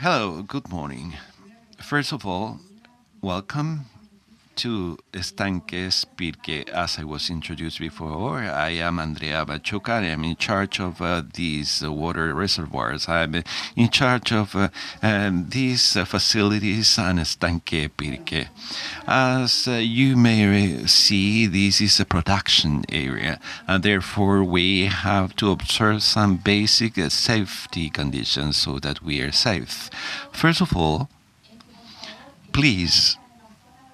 Hello, good morning. First of all, welcome to Estanques Pirque. As I was introduced before, I am Andrea Machuca. I am in charge of these water reservoirs. I'm in charge of these facilities in Estanques Pirque. As you may see, this is a production area, and therefore we have to observe some basic safety conditions so that we are safe. First of all, please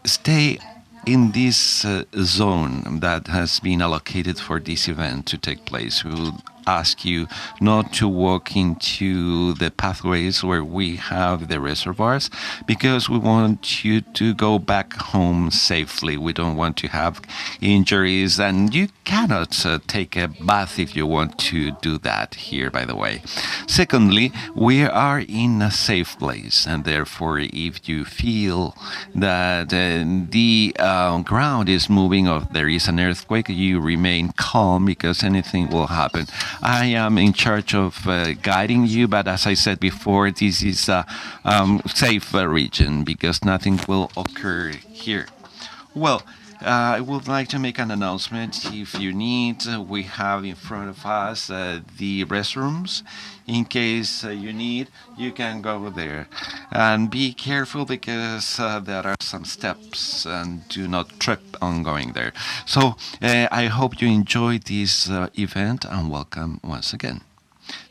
stay in this zone that has been allocated for this event to take place. We will ask you not to walk into the pathways where we have the reservoirs because we want you to go back home safely. We don't want to have injuries, and you cannot take a bath if you want to do that here, by the way. Secondly, we are in a safe place, and therefore, if you feel that the ground is moving or there is an earthquake, you remain calm because anything will happen. I am in charge of guiding you, but as I said before, this is a safe region because nothing will occur here. Well, I would like to make an announcement. If you need, we have in front of us the restrooms. In case you need, you can go there. Be careful because there are some steps and do not trip on going there. I hope you enjoy this event, and welcome once again.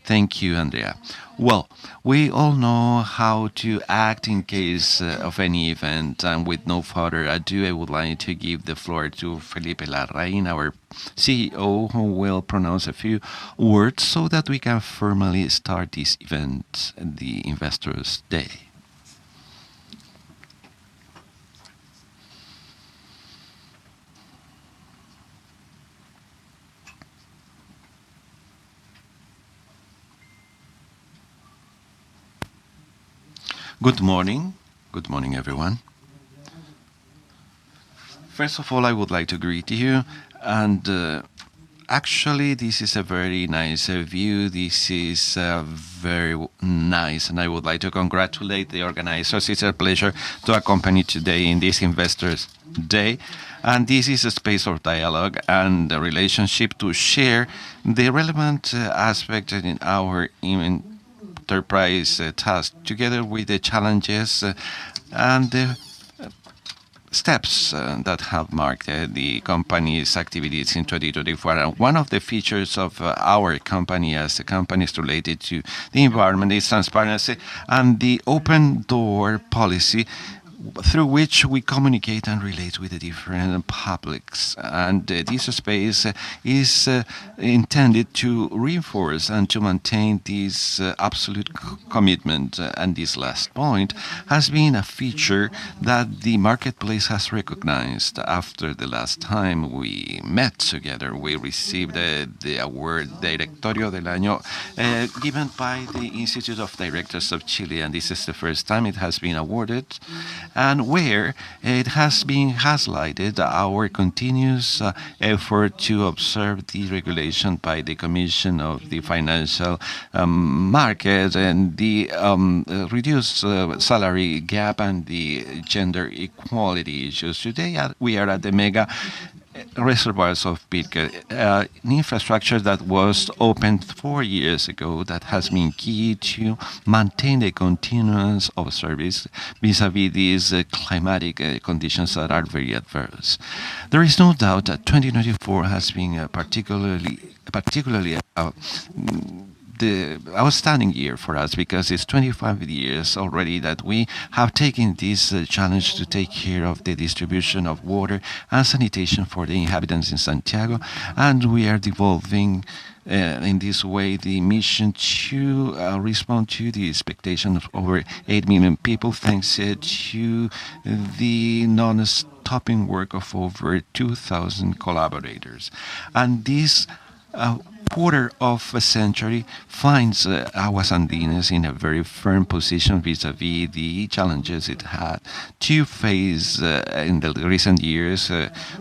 Thank you, Andrea. Well, we all know how to act in case of any event. With no further ado, I would like to give the floor to Felipe Larraín, our CEO, who will pronounce a few words so that we can formally start this event, the Investor Day. Good morning. Good morning, everyone. First of all, I would like to greet you. Actually, this is a very nice view. This is very nice, and I would like to congratulate the organizers. It's a pleasure to accompany today in this Investor Day. This is a space of dialogue and a relationship to share the relevant aspect in our enterprise task, together with the challenges and the steps that have marked the company's activities in 2024. One of the features of our company as a company is related to the environment is transparency and the open door policy through which we communicate and relate with the different publics. This space is intended to reinforce and to maintain this absolute commitment. This last point has been a feature that the marketplace has recognized. After the last time we met together, we received the award Directorio del Año given by the Instituto de Directores de Chile, and this is the first time it has been awarded, and where it has been highlighted our continuous effort to observe the regulation by the Comisión para el Mercado Financiero and the reduced salary gap and the gender equality issues. Today, we are at the mega reservoirs of Pirque, an infrastructure that was opened four years ago that has been key to maintain a continuance of service vis-à-vis these climatic conditions that are very adverse. There is no doubt that 2024 has been a particularly outstanding year for us because it's 25 years already that we have taken this challenge to take care of the distribution of water and sanitation for the inhabitants in Santiago. We are delivering in this way the mission to respond to the expectation of over 8 million people, thanks to the non-stop work of over 2,000 collaborators. This quarter of a century finds Aguas Andinas in a very firm position vis-à-vis the challenges it had to face in the recent years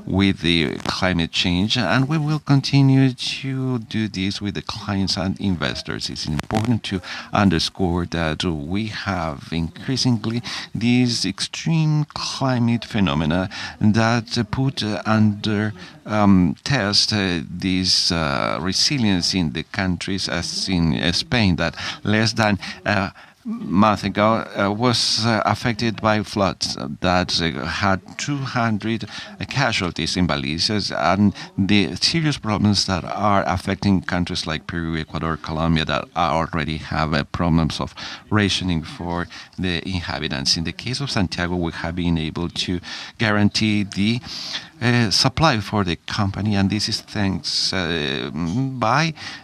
with the climate change. We will continue to do this with the clients and investors. It's important to underscore that we have increasingly these extreme climate phenomena that put under test this resilience in the countries as in Spain that less than a month ago was affected by floods that had 200 casualties in Valencia and the serious problems that are affecting countries like Peru, Ecuador, Colombia, that already have problems of rationing for the inhabitants. In the case of Santiago, we have been able to guarantee the supply for the company, and this is thanks to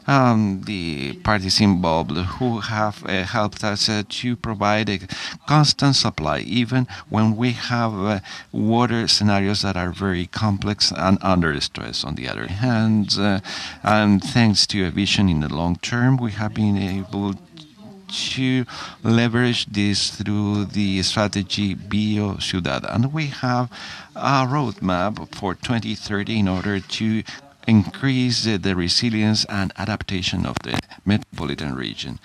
the parties involved who have helped us to provide a constant supply, even when we have water scenarios that are very complex and under stress on the other hand. Thanks to a vision in the long term, we have been able to leverage this through the strategy Biociudad. We have a roadmap for 2030 in order to increase the resilience and adaptation of the metropolitan region.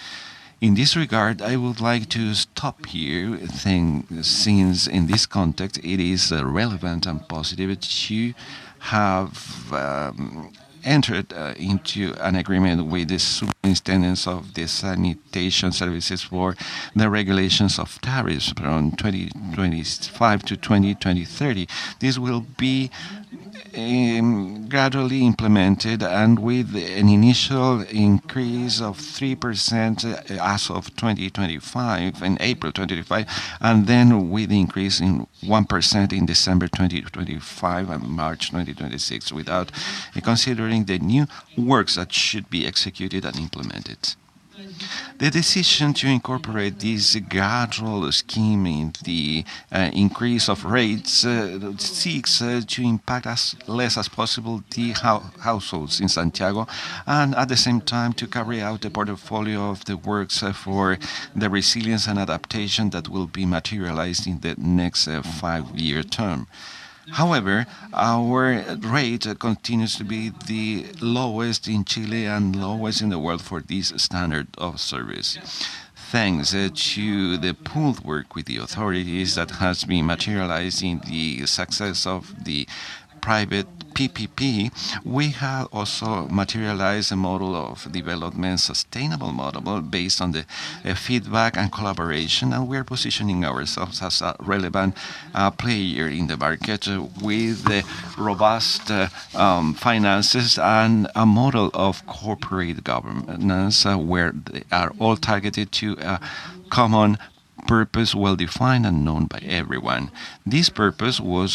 In this regard, I would like to stop here, think, since in this context, it is relevant and positive to have entered into an agreement with the Superintendents of the Sanitation Services for the regulations of tariffs around 2025 to 2030. This will be gradually implemented and with an initial increase of 3% as of 2025, in April 2025, and then with increase in 1% in December 2025 and March 2026, without considering the new works that should be executed and implemented. The decision to incorporate this gradual scheme in the increase of rates seeks to impact as little as possible the households in Santiago and at the same time to carry out the portfolio of the works for the resilience and adaptation that will be materialized in the next five-year term. However, our rate continues to be the lowest in Chile and the lowest in the world for this standard of service. Thanks to the close work with the authorities that has been materializing the success of the private PPP, we have also materialized a model of development, sustainable model, based on the feedback and collaboration, and we are positioning ourselves as a relevant player in the market with the robust finances and a model of corporate governance where they are all targeted to a common purpose, well-defined and known by everyone. This purpose was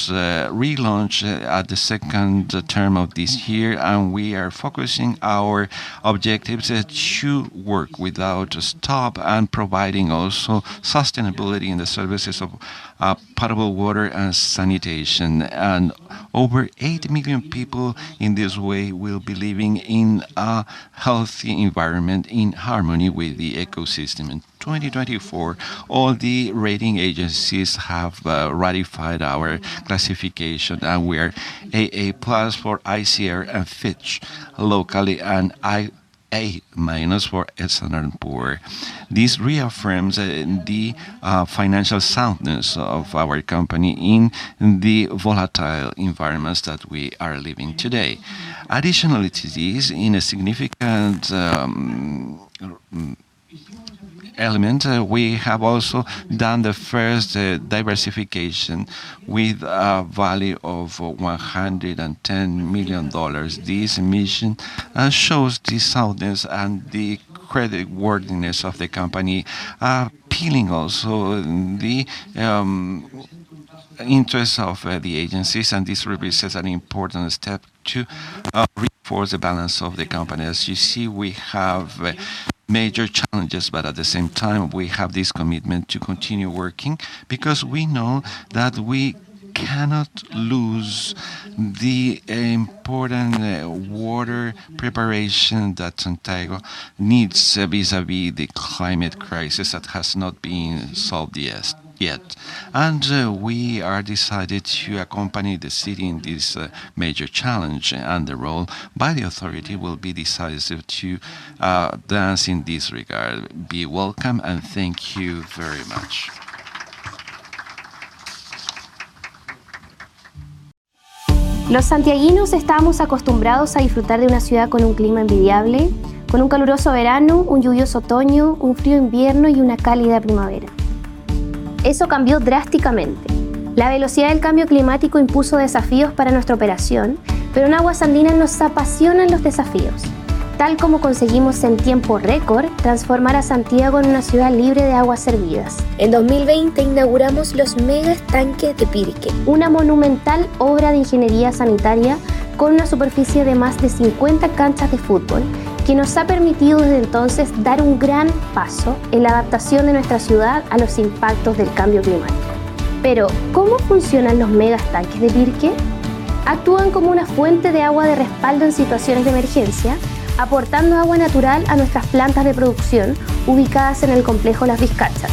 relaunched at the second term of this year, and we are focusing our objectives to work without a stop and providing also sustainability in the services of potable water and sanitation. Over 8 million people in this way will be living in a healthy environment in harmony with the ecosystem. In 2024, all the rating agencies have ratified our classification, and we are AA+ for ICR and Fitch locally, and A- for S&P. This reaffirms the financial soundness of our company in the volatile environments that we are living today. Additionally to this, in a significant element, we have also done the first diversification with a value of $110 million. This issuance shows the soundness and the creditworthiness of the company, also appealing to the interest of the agencies, and this represents an important step to reinforce the balance of the company. As you see, we have major challenges, but at the same time, we have this commitment to continue working because we know that we cannot lose the important water provision that Santiago needs vis-à-vis the climate crisis that has not been solved yet. We are decided to accompany the city in this major challenge, and the role of the authority will be decisive to advance in this regard. Be welcome, and thank you very much. Los santiaguinos estamos acostumbrados a disfrutar de una ciudad con un clima envidiable, con un caluroso verano, un lluvioso otoño, un frío invierno y una cálida primavera. Eso cambió drásticamente. La velocidad del cambio climático impuso desafíos para nuestra operación, pero en Aguas Andinas nos apasionan los desafíos. Tal como conseguimos en tiempo récord transformar a Santiago en una ciudad libre de aguas servidas. En 2020 inauguramos los megaestanques de Pirque, una monumental obra de ingeniería sanitaria con una superficie de más de 50 canchas de fútbol, que nos ha permitido desde entonces dar un gran paso en la adaptación de nuestra ciudad a los impactos del cambio climático. ¿Cómo funcionan los megaestanques de Pirque? Actúan como una fuente de agua de respaldo en situaciones de emergencia, aportando agua natural a nuestras plantas de producción ubicadas en el complejo Las Vizcachas,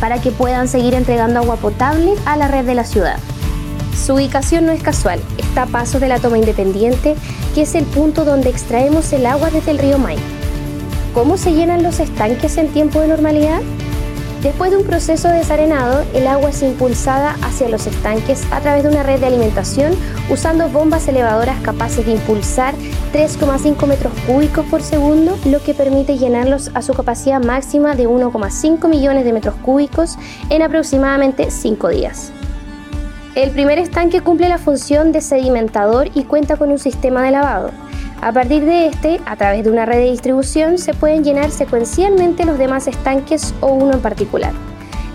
para que puedan seguir entregando agua potable a la red de la ciudad. Su ubicación no es casual. Está a pasos de la Toma Independiente, que es el punto donde extraemos el agua desde el río Maipo. ¿Cómo se llenan los estanques en tiempo de normalidad? Después de un proceso de desarenado, el agua es impulsada hacia los estanques a través de una red de alimentación, usando bombas elevadoras capaces de impulsar 3.5 m³/s, lo que permite llenarlos a su capacidad máxima de 1.5 millones de m³ en aproximadamente 5 días. El primer estanque cumple la función de sedimentador y cuenta con un sistema de lavado. A partir de este, a través de una red de distribución, se pueden llenar secuencialmente los demás estanques o uno en particular.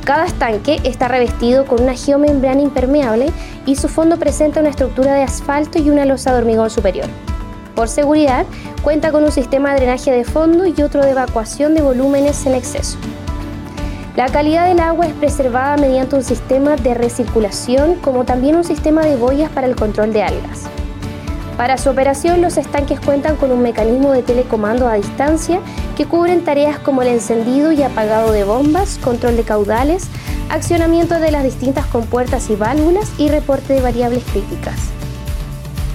Cada estanque está revestido con una geomembrana impermeable y su fondo presenta una estructura de asfalto y una losa de hormigón superior. Por seguridad, cuenta con un sistema de drenaje de fondo y otro de evacuación de volúmenes en exceso. La calidad del agua es preservada mediante un sistema de recirculación, como también un sistema de boyas para el control de algas. Para su operación, los estanques cuentan con un mecanismo de telecomando a distancia que cubren tareas como el encendido y apagado de bombas, control de caudales, accionamiento de las distintas compuertas y válvulas y reporte de variables críticas.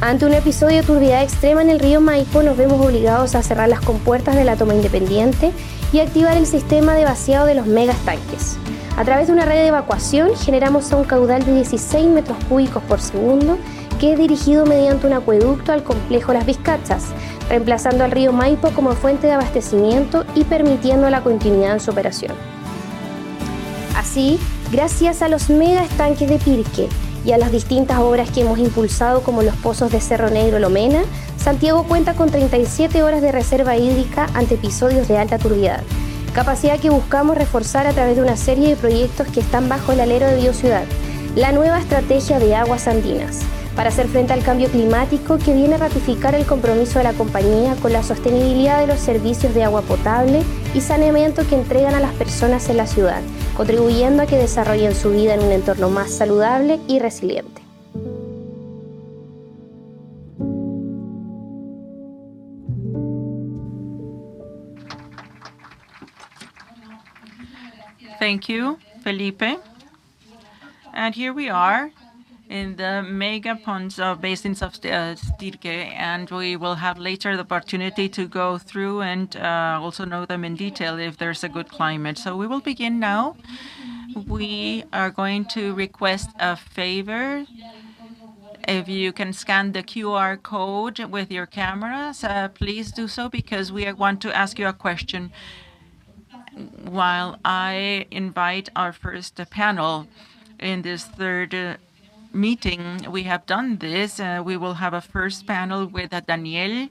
Ante un episodio de turbiedad extrema en el Río Maipo, nos vemos obligados a cerrar las compuertas de la Toma Independiente y activar el sistema de vaciado de los megaestanques. A través de una red de evacuación generamos un caudal de 16 metros cúbicos por segundo, que es dirigido mediante un acueducto al Complejo Las Vizcachas, reemplazando al Río Maipo como fuente de abastecimiento y permitiendo la continuidad en su operación. Así, gracias a los megaestanques de Pirque y a las distintas obras que hemos impulsado, como los pozos de Cerro Negro-La Mena, Santiago cuenta con 37 horas de reserva hídrica ante episodios de alta turbiedad. Capacidad que buscamos reforzar a través de una serie de proyectos que están bajo el alero de Biociudad, la nueva estrategia de Aguas Andinas para hacer frente al cambio climático, que viene a ratificar el compromiso de la compañía con la sostenibilidad de los servicios de agua potable y saneamiento que entregan a las personas en la ciudad, contribuyendo a que desarrollen su vida en un entorno más saludable y resiliente. Thank you, Felipe. Here we are in the basins of Pirque, and we will have later the opportunity to go through and also know them in detail if there's a good climate. We will begin now. We are going to request a favor. If you can scan the QR code with your cameras, please do so, because we want to ask you a question. While I invite our first panel in this third meeting, we have done this, we will have a first panel with Daniel.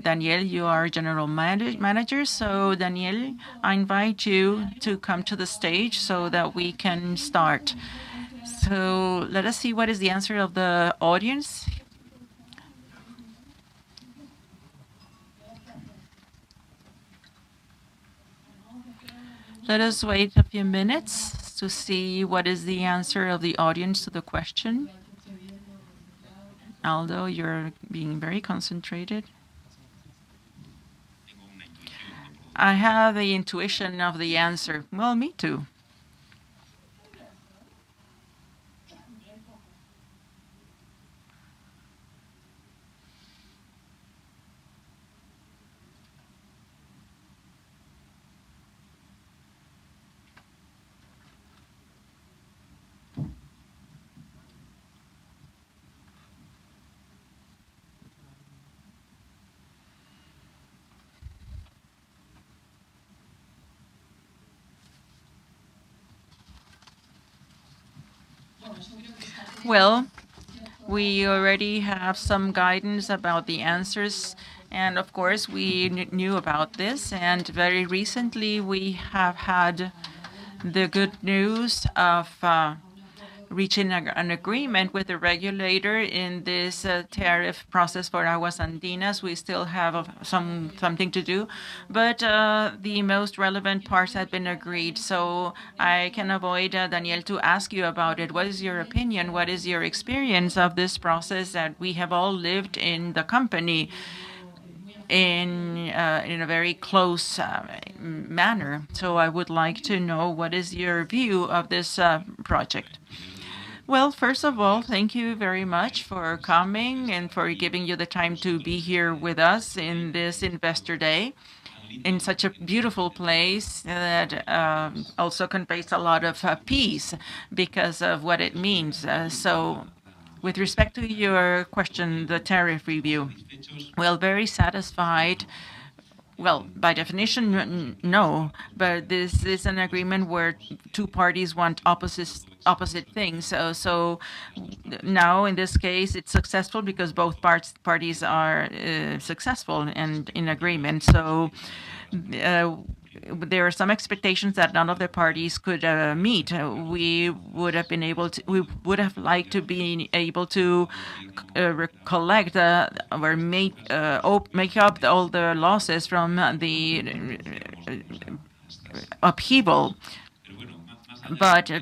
Daniel, you are General Manager. Daniel, I invite you to come to the stage so that we can start. Let us see what is the answer of the audience. Let us wait a few minutes to see what is the answer of the audience to the question. Aldo, you're being very concentrated. I have the intuition of the answer. Well, me too. Well, we already have some guidance about the answers, and of course, we knew about this. Very recently, we have had the good news of reaching an agreement with the regulator in this tariff process for Aguas Andinas. We still have something to do, but the most relevant parts have been agreed, so I can avoid, Daniel, to ask you about it. What is your opinion? What is your experience of this process that we have all lived in the company in a very close manner? I would like to know what is your view of this project. Well, first of all, thank you very much for coming and for giving you the time to be here with us in this Investor Day in such a beautiful place that also conveys a lot of peace because of what it means. With respect to your question, the tariff review. Well, very satisfied. Well, by definition, no, but this is an agreement where two parties want opposites, opposite things. Now in this case, it's successful because both parties are successful and in agreement. There are some expectations that none of the parties could meet. We would have been able to recollect or make up all the losses from the upheaval.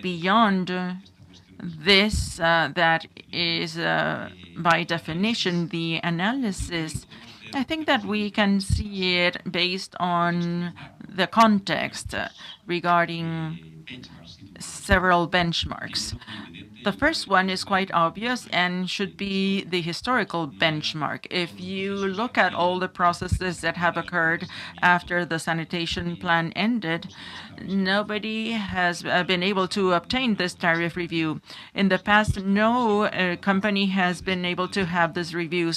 Beyond this, that is, by definition the analysis, I think that we can see it based on the context regarding several benchmarks. The first one is quite obvious and should be the historical benchmark. If you look at all the processes that have occurred after the sanitation plan ended, nobody has been able to obtain this tariff review. In the past, no company has been able to have this review.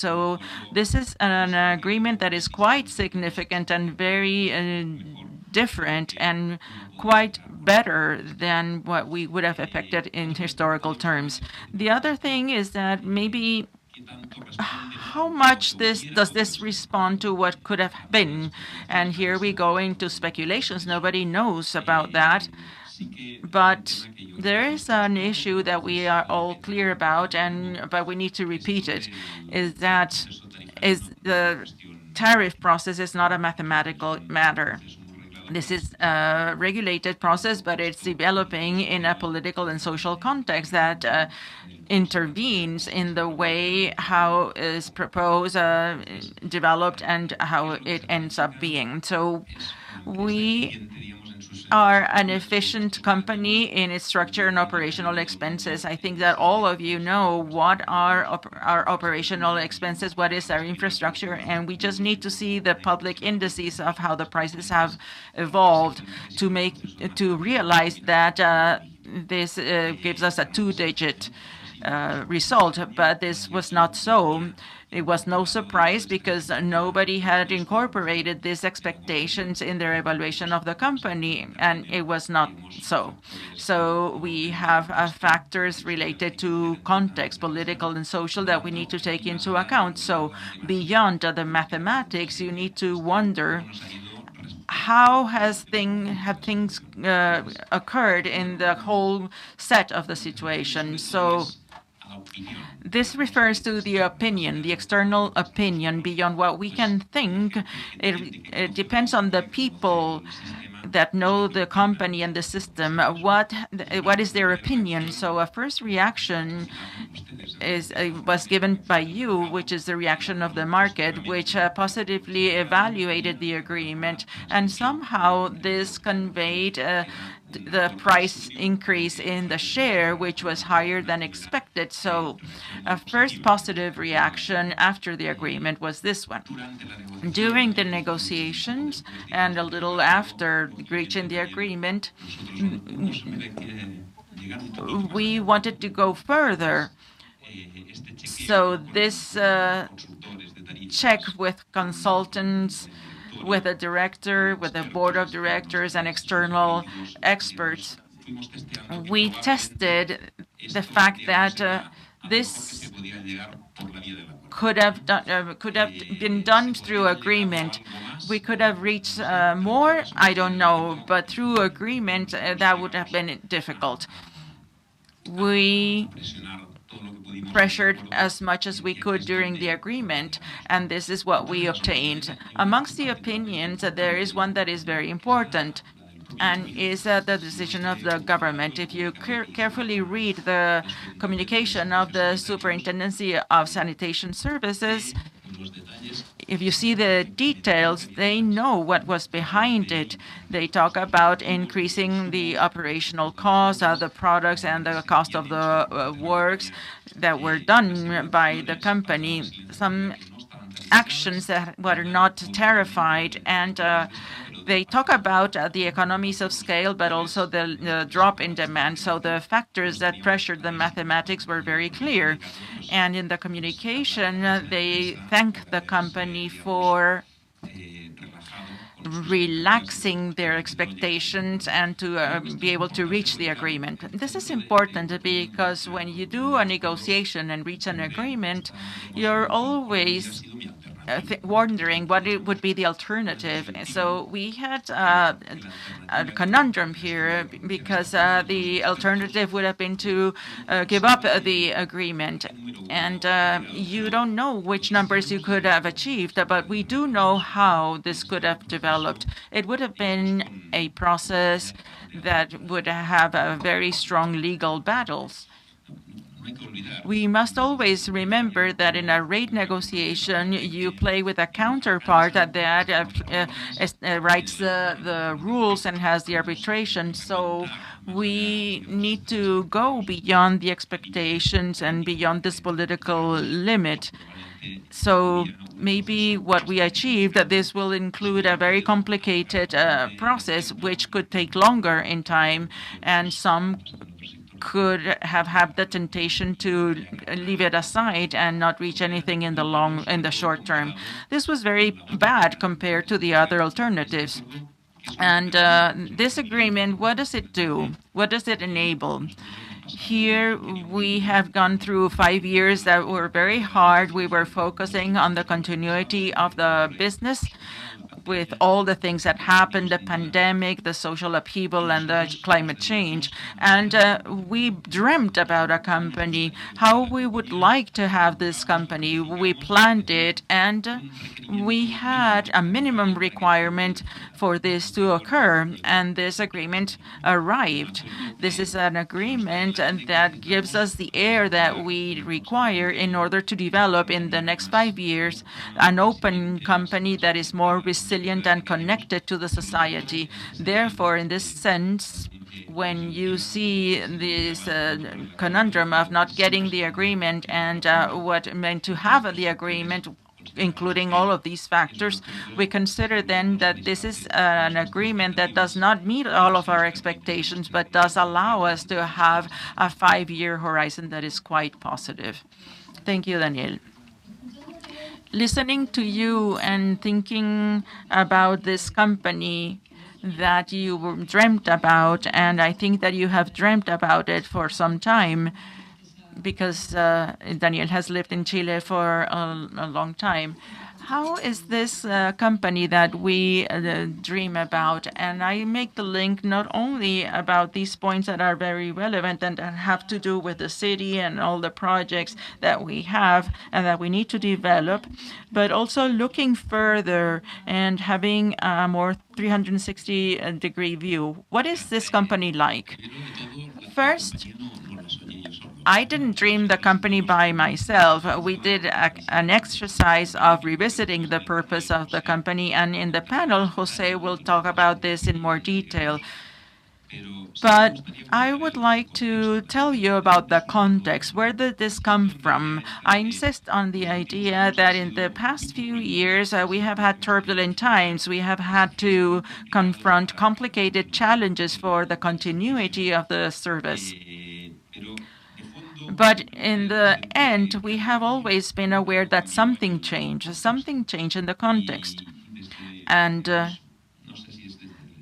This is an agreement that is quite significant and very different and quite better than what we would have affected in historical terms. The other thing is that maybe how much this does this respond to what could have been? Here we go into speculations. Nobody knows about that. There is an issue that we are all clear about, but we need to repeat it, is that the tariff process is not a mathematical matter. This is a regulated process, but it's developing in a political and social context that intervenes in the way it is proposed, developed, and how it ends up being. We are an efficient company in its structure and operational expenses. I think that all of you know what are our operational expenses, what is our infrastructure, and we just need to see the public indices of how the prices have evolved to realize that this gives us a two-digit result. This was not so. It was no surprise because nobody had incorporated these expectations in their evaluation of the company, and it was not so. We have factors related to context, political and social, that we need to take into account. Beyond the mathematics, you need to wonder how have things occurred in the whole set of the situation. This refers to the opinion, the external opinion. Beyond what we can think, it depends on the people that know the company and the system. What is their opinion? A first reaction was given by you, which is the reaction of the market, which positively evaluated the agreement, and somehow this conveyed the price increase in the share, which was higher than expected. A first positive reaction after the agreement was this one. During the negotiations and a little after reaching the agreement, we wanted to go further. This check with consultants, with the director, with the board of directors and external experts, we tested the fact that this could have been done through agreement. We could have reached more, I don't know, but through agreement that would have been difficult. We pressured as much as we could during the agreement, and this is what we obtained. Amongst the opinions, there is one that is very important, and is the decision of the government. If you carefully read the communication of the Superintendency of Sanitation Services, if you see the details, they know what was behind it. They talk about increasing the operational cost of the products and the cost of the works that were done by the company. Some actions that are not tariffed and they talk about the economies of scale, but also the drop in demand. The factors that pressured the margins were very clear. In the communication, they thank the company for relaxing their expectations and to be able to reach the agreement. This is important because when you do a negotiation and reach an agreement, you're always wondering what the alternative would be. We had a conundrum here because the alternative would have been to give up the agreement. You don't know which numbers you could have achieved, but we do know how this could have developed. It would have been a process that would have very strong legal battles. We must always remember that in a rate negotiation, you play with a counterpart that writes the rules and has the arbitration. We need to go beyond the expectations and beyond this political limit. Maybe what we achieved, that this will include a very complicated process which could take longer in time, and some could have had the temptation to leave it aside and not reach anything in the short term. This was very bad compared to the other alternatives. This agreement, what does it do? What does it enable? Here we have gone through five years that were very hard. We were focusing on the continuity of the business with all the things that happened, the pandemic, the social upheaval, and the climate change. We dreamt about a company, how we would like to have this company. We planned it, and we had a minimum requirement for this to occur, and this agreement arrived. This is an agreement, and that gives us the air that we require in order to develop in the next five years an open company that is more resilient and connected to the society. Therefore, in this sense, when you see this, conundrum of not getting the agreement and, what it meant to have the agreement, including all of these factors, we consider then that this is, an agreement that does not meet all of our expectations but does allow us to have a five-year horizon that is quite positive. Thank you, Daniel. Listening to you and thinking about this company that you dreamt about, and I think that you have dreamt about it for some time because Daniel has lived in Chile for a long time. How is this company that we dream about? I make the link not only about these points that are very relevant and have to do with the city and all the projects that we have and that we need to develop, but also looking further and having a more 360-degree view. What is this company like? First, I didn't dream the company by myself. We did an exercise of revisiting the purpose of the company, and in the panel, José will talk about this in more detail. I would like to tell you about the context. Where did this come from? I insist on the idea that in the past few years, we have had turbulent times. We have had to confront complicated challenges for the continuity of the service. In the end, we have always been aware that something changed in the context.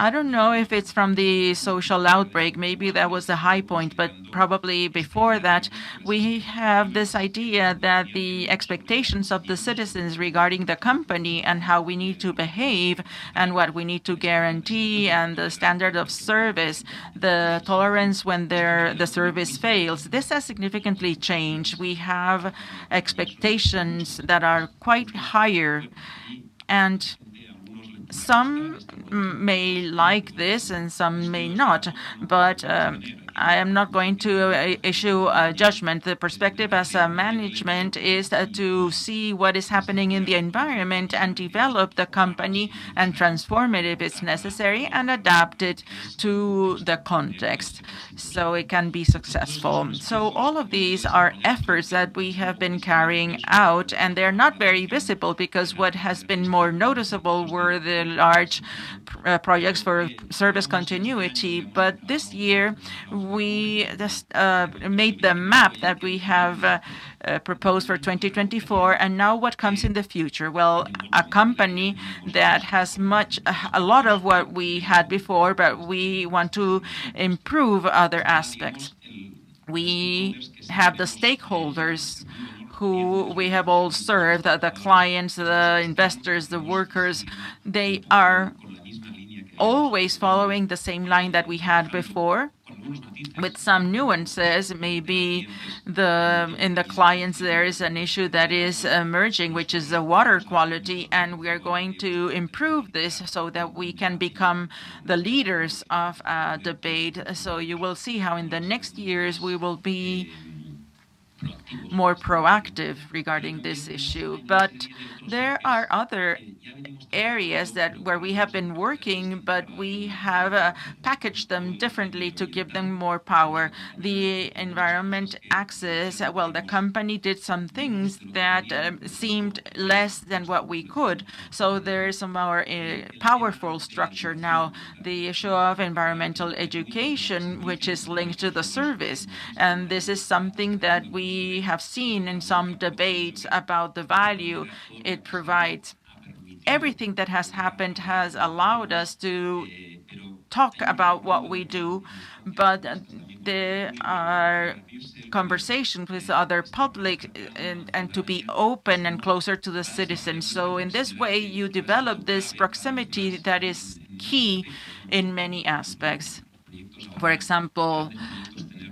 I don't know if it's from the social outbreak, maybe that was the high point, but probably before that, we have this idea that the expectations of the citizens regarding the company and how we need to behave, and what we need to guarantee, and the standard of service, the tolerance when the service fails. This has significantly changed. We have expectations that are quite higher, and some may like this and some may not, but I am not going to issue a judgment. The perspective as a management is to see what is happening in the environment and develop the company, and transform it if it's necessary, and adapt it to the context so it can be successful. All of these are efforts that we have been carrying out, and they're not very visible because what has been more noticeable were the large projects for service continuity. This year we just made the map that we have proposed for 2024, and now what comes in the future? A company that has much a lot of what we had before, but we want to improve other aspects. We have the stakeholders who we have all served, the clients, the investors, the workers, they are always following the same line that we had before, with some nuances. In the clients there is an issue that is emerging, which is the water quality, and we are going to improve this so that we can become the leaders of debate. You will see how in the next years we will be more proactive regarding this issue. There are other areas where we have been working, but we have packaged them differently to give them more power. The environment axis, well, the company did some things that seemed less than what we could, so there is a more powerful structure now. The issue of environmental education, which is linked to the service, and this is something that we have seen in some debates about the value it provides. Everything that has happened has allowed us to talk about what we do, but there are conversations with other public and to be open and closer to the citizens. In this way, you develop this proximity that is key in many aspects. For example,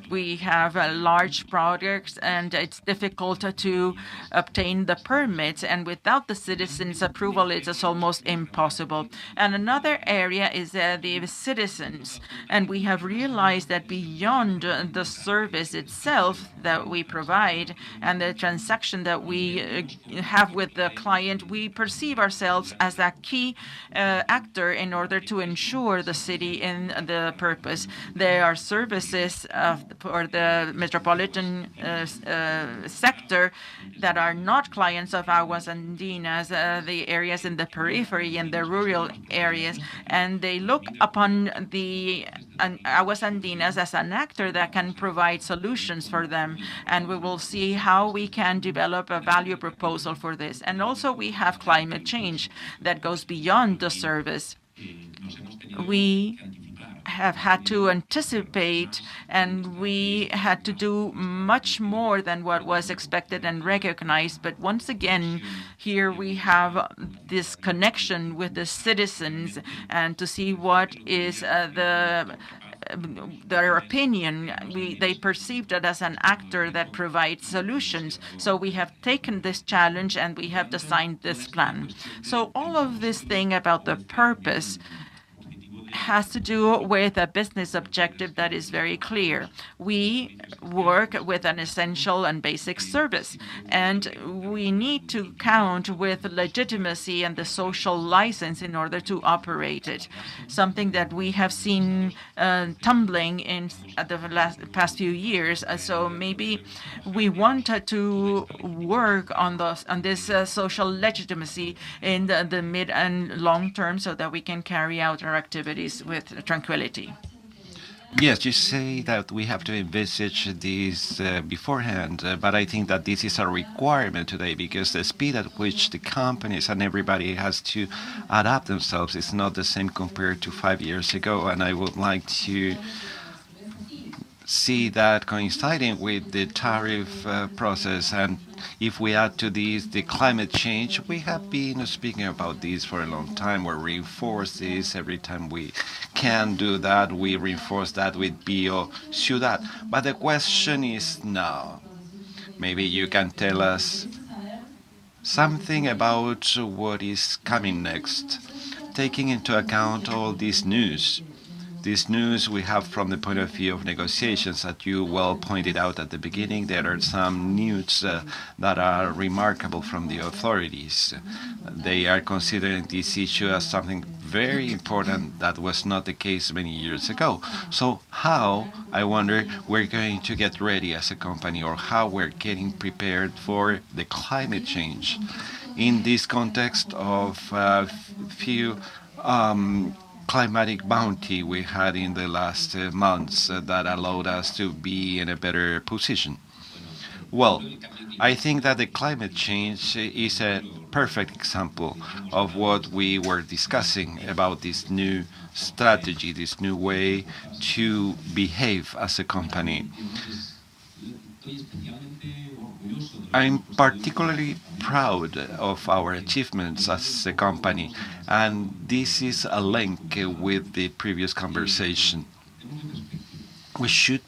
we have large projects and it's difficult to obtain the permits, and without the citizens' approval it is almost impossible. Another area is the citizens, and we have realized that beyond the service itself that we provide and the transaction that we have with the client, we perceive ourselves as a key actor in order to ensure the city and the purpose. There are services of. For the metropolitan sector that are not clients of Aguas Andinas, the areas in the periphery and the rural areas, and they look upon the Aguas Andinas as an actor that can provide solutions for them, and we will see how we can develop a value proposition for this. We have climate change that goes beyond the service. We have had to anticipate, and we had to do much more than what was expected and recognized. Once again, here we have this connection with the citizens and to see what is their opinion. They perceived it as an actor that provides solutions. We have taken this challenge, and we have designed this plan. All of this thing about the purpose has to do with a business objective that is very clear. We work with an essential and basic service, and we need to count with legitimacy and the social license in order to operate it. Something that we have seen tumbling in the past few years. Maybe we wanted to work on this social legitimacy in the mid and long term, so that we can carry out our activities with tranquility. Yes. You say that we have to envisage this, beforehand, but I think that this is a requirement today because the speed at which the companies and everybody has to adapt themselves is not the same compared to five years ago. I would like to see that coinciding with the tariff process. If we add to this the climate change, we have been speaking about this for a long time. We reinforce this every time we can do that, we reinforce that with POs. The question is now, maybe you can tell us something about what is coming next, taking into account all this news we have from the point of view of negotiations that you well pointed out at the beginning, there are some news that are remarkable from the authorities. They are considering this issue as something very important. That was not the case many years ago. How, I wonder, we're going to get ready as a company, or how we're getting prepared for the climate change in this context of few climatic bounty we had in the last months that allowed us to be in a better position? Well, I think that the climate change is a perfect example of what we were discussing about this new strategy, this new way to behave as a company. I'm particularly proud of our achievements as a company, and this is a link with the previous conversation. We should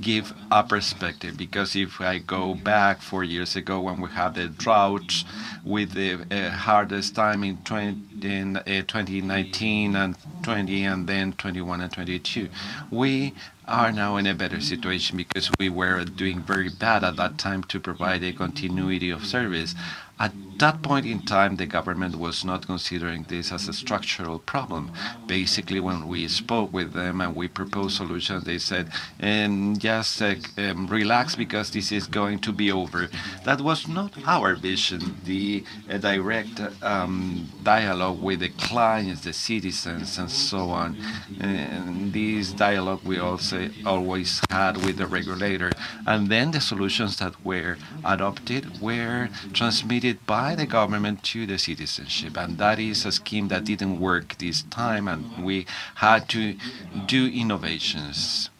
give a perspective, because if I go back 4 years ago when we had the drought, with the hardest time in 2019 and 2020, and then 2021 and 2022, we are now in a better situation because we were doing very bad at that time to provide a continuity of service. At that point in time, the government was not considering this as a structural problem. Basically, when we spoke with them and we proposed solutions, they said, "just, like, relax because this is going to be over." That was not our vision. The direct dialogue with the clients, the citizens and so on, and this dialogue we also always had with the regulator, and then the solutions that were adopted were transmitted by the government to the citizenship. That is a scheme that didn't work this time, and we had to do innovations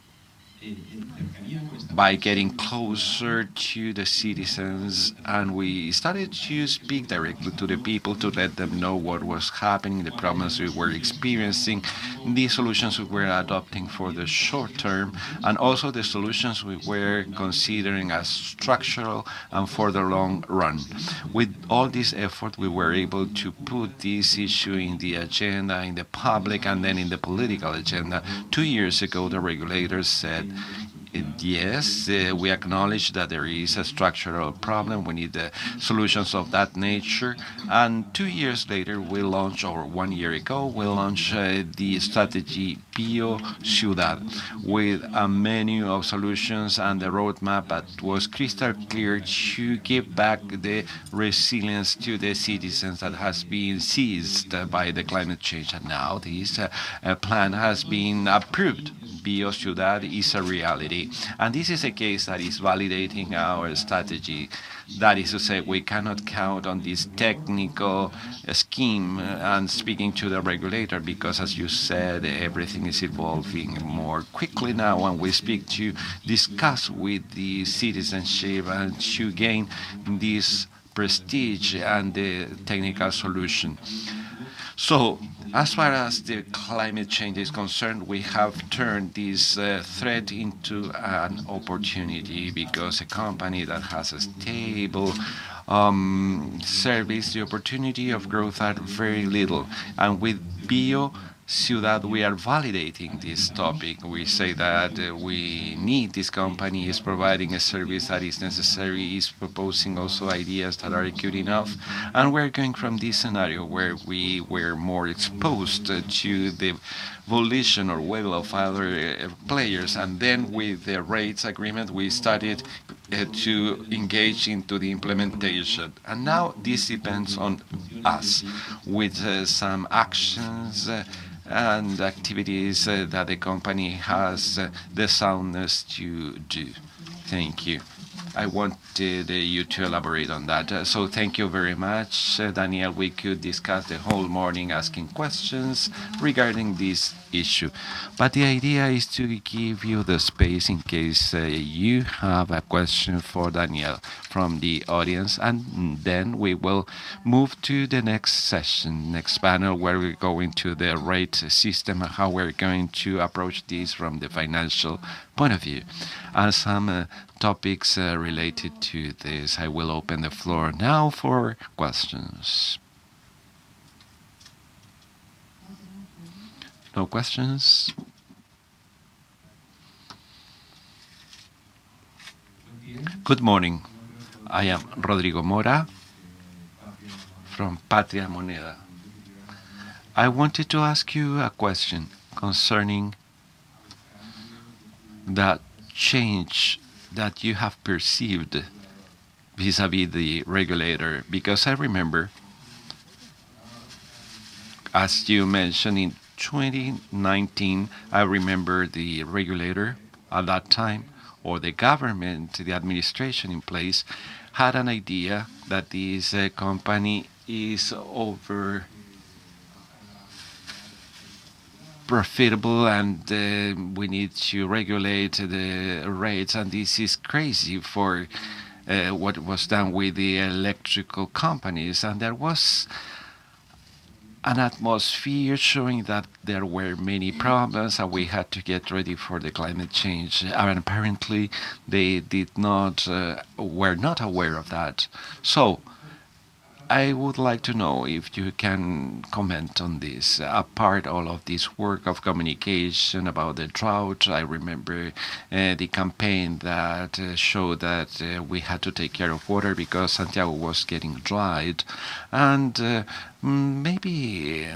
by getting closer to the citizens, and we started to speak directly to the people to let them know what was happening, the problems we were experiencing, the solutions we were adopting for the short term, and also the solutions we were considering as structural and for the long run. With all this effort, we were able to put this issue in the agenda, in the public and then in the political agenda. Two years ago, the regulators said, "Yes, we acknowledge that there is a structural problem. We need solutions of that nature. Two years later, we launched one year ago, we launched the strategy Biociudad, with a menu of solutions and a roadmap that was crystal clear to give back the resilience to the citizens that has been seized by the climate change. Now this plan has been approved. Biociudad is a reality. This is a case that is validating our strategy. That is to say, we cannot count on this technical scheme and speaking to the regulator, because, as you said, everything is evolving more quickly now. We speak to discuss with the citizenship and to gain this prestige and the technical solution. As far as the climate change is concerned, we have turned this threat into an opportunity, because a company that has a stable service, the opportunity of growth are very little. With Biociudad, we are validating this topic. We say that we need this company. It's providing a service that is necessary. It's proposing also ideas that are good enough. We're going from this scenario, where we were more exposed to the volition or will of other players. With the rates agreement, we started to engage into the implementation. Now this depends on us, with some actions and activities that the company has the soundness to do. Thank you. I wanted you to elaborate on that. Thank you very much, Daniel. We could discuss the whole morning asking questions regarding this issue, but the idea is to give you the space in case you have a question for Daniel from the audience. Then we will move to the next session, next panel, where we go into the rate system and how we're going to approach this from the financial point of view, and some topics related to this. I will open the floor now for questions. No questions? Good morning. I am Rodrigo Mora from Patria Moneda. I wanted to ask you a question concerning that change that you have perceived vis-à-vis the regulator, because I remember, as you mentioned, in 2019, I remember the regulator at that time, or the government, the administration in place, had an idea that this company is over-profitable, and we need to regulate the rates, and this is crazy for what was done with the electrical companies. There was an atmosphere showing that there were many problems and we had to get ready for the climate change. Apparently they did not were not aware of that. I would like to know if you can comment on this. Apart from all of this work of communication about the drought, I remember the campaign that showed that we had to take care of water because Santiago was getting dried. Maybe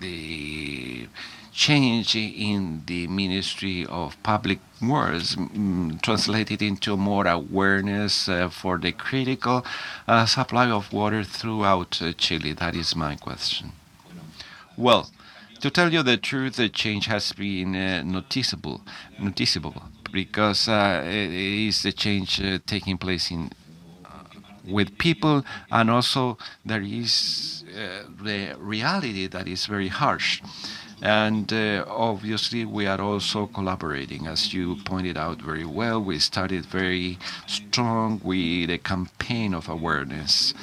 the change in the Ministry of Public Works translated into more awareness for the critical supply of water throughout Chile. That is my question. Well, to tell you the truth, the change has been noticeable. Noticeable because it is a change taking place in with people, and also there is the reality that is very harsh. Obviously we are also collaborating. As you pointed out very well, we started very strong with a campaign of awareness.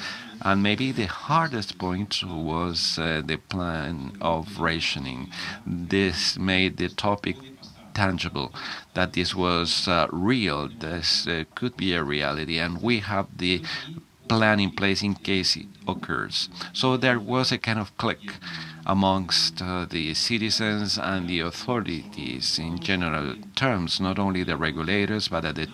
Maybe the hardest point was the plan of rationing. This made the topic tangible, that this was real, this could be a reality, and we have the plan in place in case it occurs. There was a kind of click amongst the citizens and the authorities in general terms, not only the regulators, but at the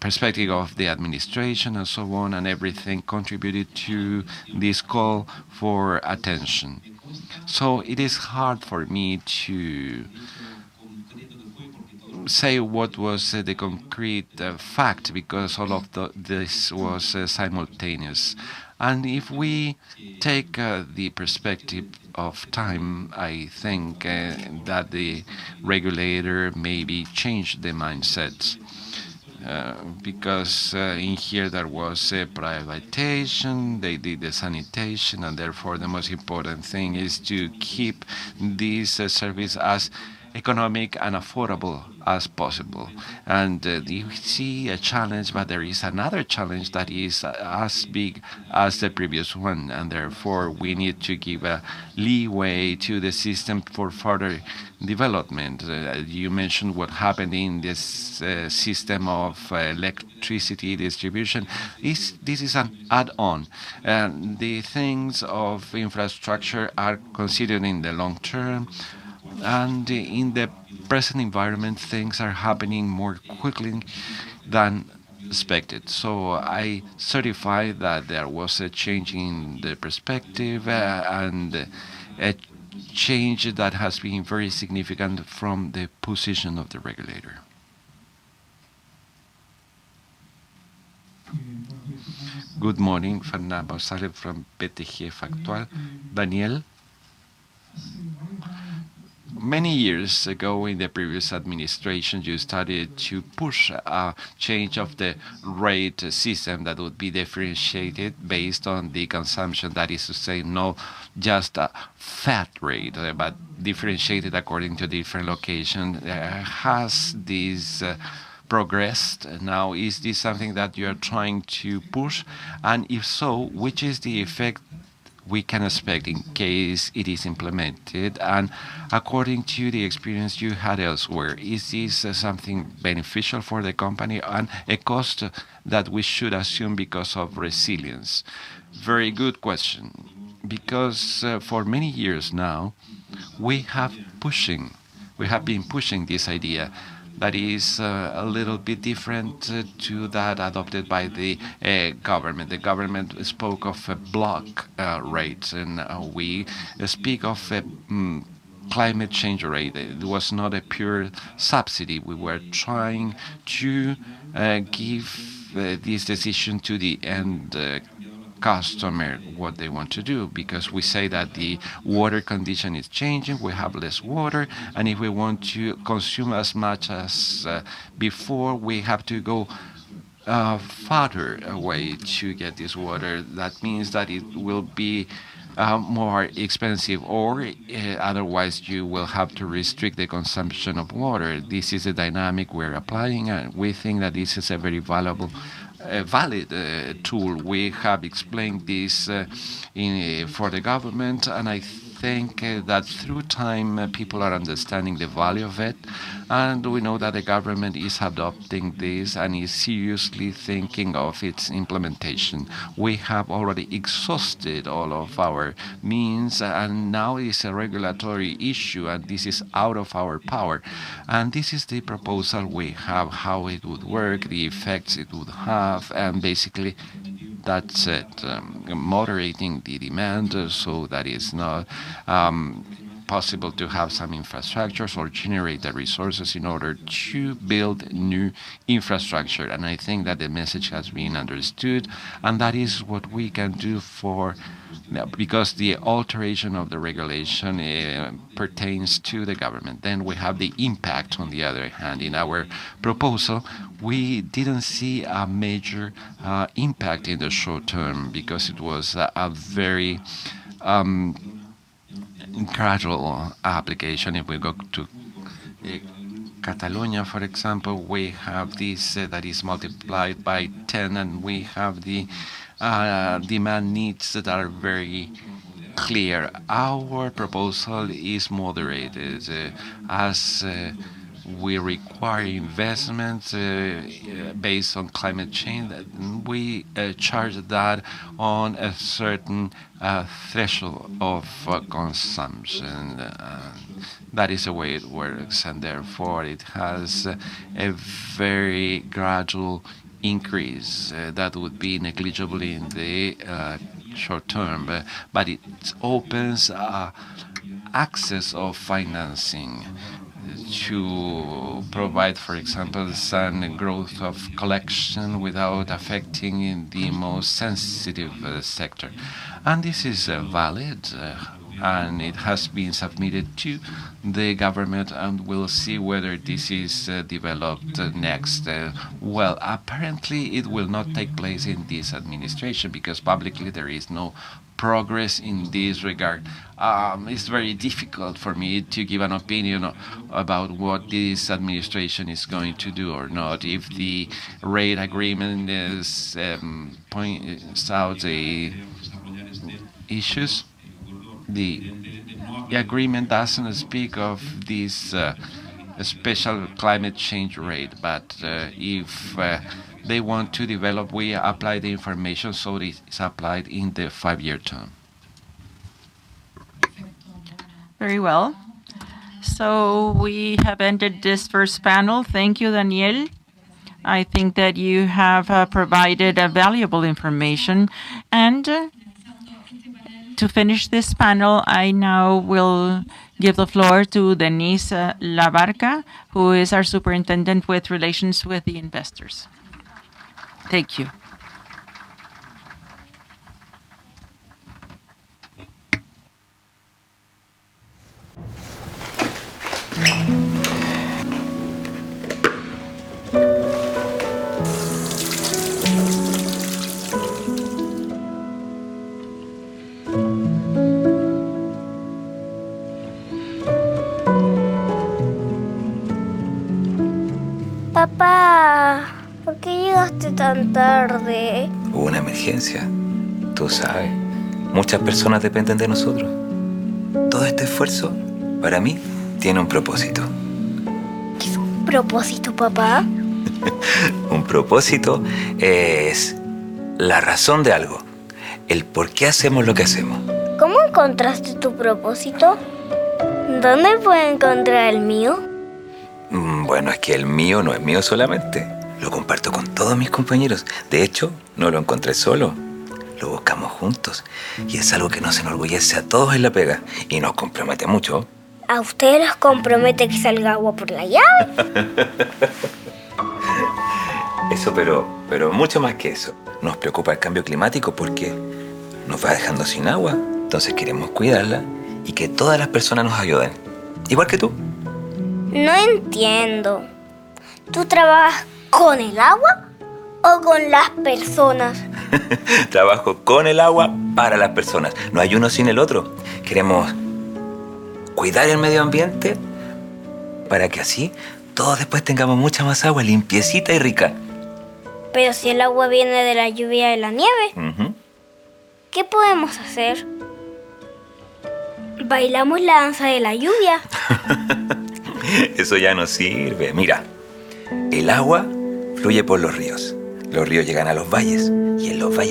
perspective of the administration and so on, and everything contributed to this call for attention. It is hard for me to say what was the concrete fact, because all of this was simultaneous. If we take the perspective of time, I think that the regulator maybe changed the mindsets, because in here there was privatization, they did the sanitation, and therefore the most important thing is to keep this service as economic and affordable as possible. You see a challenge, but there is another challenge that is as big as the previous one, and therefore we need to give a leeway to the system for further development. You mentioned what happened in this system of electricity distribution. This is an add-on, and the things of infrastructure are considered in the long term. In the present environment, things are happening more quickly than expected. I certify that there was a change in the perspective and a change that has been very significant from the position of the regulator. Good morning. Fernán González from BTG Pactual. Daniel, many years ago in the previous administration, you started to push a change of the rate system that would be differentiated based on the consumption. That is to say, not just a flat rate, but differentiated according to different location. Has this progressed now? Is this something that you're trying to push? And if so, which is the effect we can expect in case it is implemented? According to the experience you had elsewhere, is this something beneficial for the company and a cost that we should assume because of resilience? Very good question, because for many years now, we have been pushing this idea that is a little bit different to that adopted by the government. The government spoke of block rates, and we speak of a climate change rate. It was not a pure subsidy. We were trying to give this decision to the end customer, what they want to do, because we say that the water condition is changing, we have less water, and if we want to consume as much as before, we have to go farther away to get this water. That means that it will be more expensive, or otherwise you will have to restrict the consumption of water. This is a dynamic we're applying, and we think that this is a very valuable valid tool. We have explained this for the government, and I think that through time, people are understanding the value of it, and we know that the government is adopting this and is seriously thinking of its implementation. We have already exhausted all of our means, and now it's a regulatory issue, and this is out of our power. This is the proposal we have, how it would work, the effects it would have, and basically that's it. Moderating the demand so that it's not possible to have some infrastructures or generate the resources in order to build new infrastructure. I think that the message has been understood, and that is what we can do for now. Because the alteration of the regulation pertains to the government. We have the impact on the other hand. In our proposal, we didn't see a major impact in the short term because it was a very gradual application, if we go to Catalonia, for example, we have this that is multiplied by ten, and we have the demand needs that are very clear. Our proposal is moderated, as we require investments based on climate change. We charge that on a certain threshold of consumption. That is the way it works, and therefore it has a very gradual increase that would be negligible in the short term. It opens access of financing to provide, for example, certain growth of collection without affecting the most sensitive sector. This is valid and it has been submitted to the government, and we'll see whether this is developed next. Apparently it will not take place in this administration because publicly there is no progress in this regard. It's very difficult for me to give an opinion about what this administration is going to do or not. If the rate agreement is pointing south issues, the agreement doesn't speak of this special climate change rate. If they want to develop, we apply the information so it is applied in the five-year term. Very well. We have ended this first panel. Thank you, Daniel. I think that you have provided valuable information. To finish this panel, I now will give the floor to Denisse Labarca, who is our superintendent with relations with the investors. Thank you. Papa. How do you find your purpose? Well, mine is not mine alone. I share it with all my colleagues. In fact, I didn't find it alone.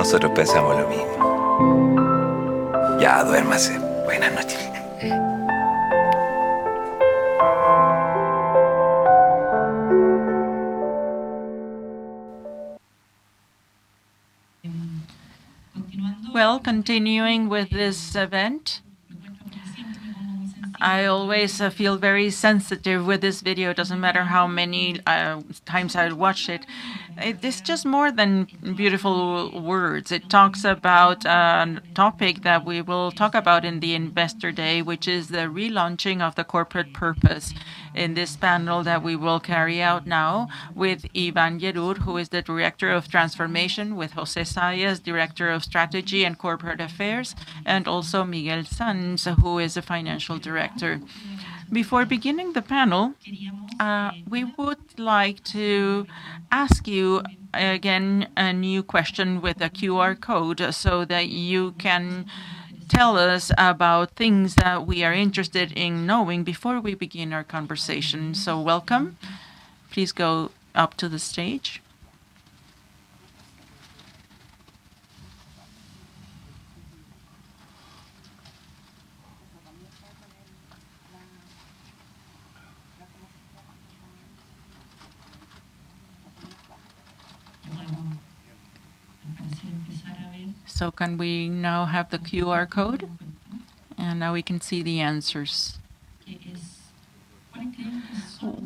We looked for it together, and Before beginning the panel, we would like to ask you again a new question with a QR code so that you can tell us about things that we are interested in knowing before we begin our conversation. Welcome. Please go up to the stage. Can we now have the QR code? Now we can see the answers.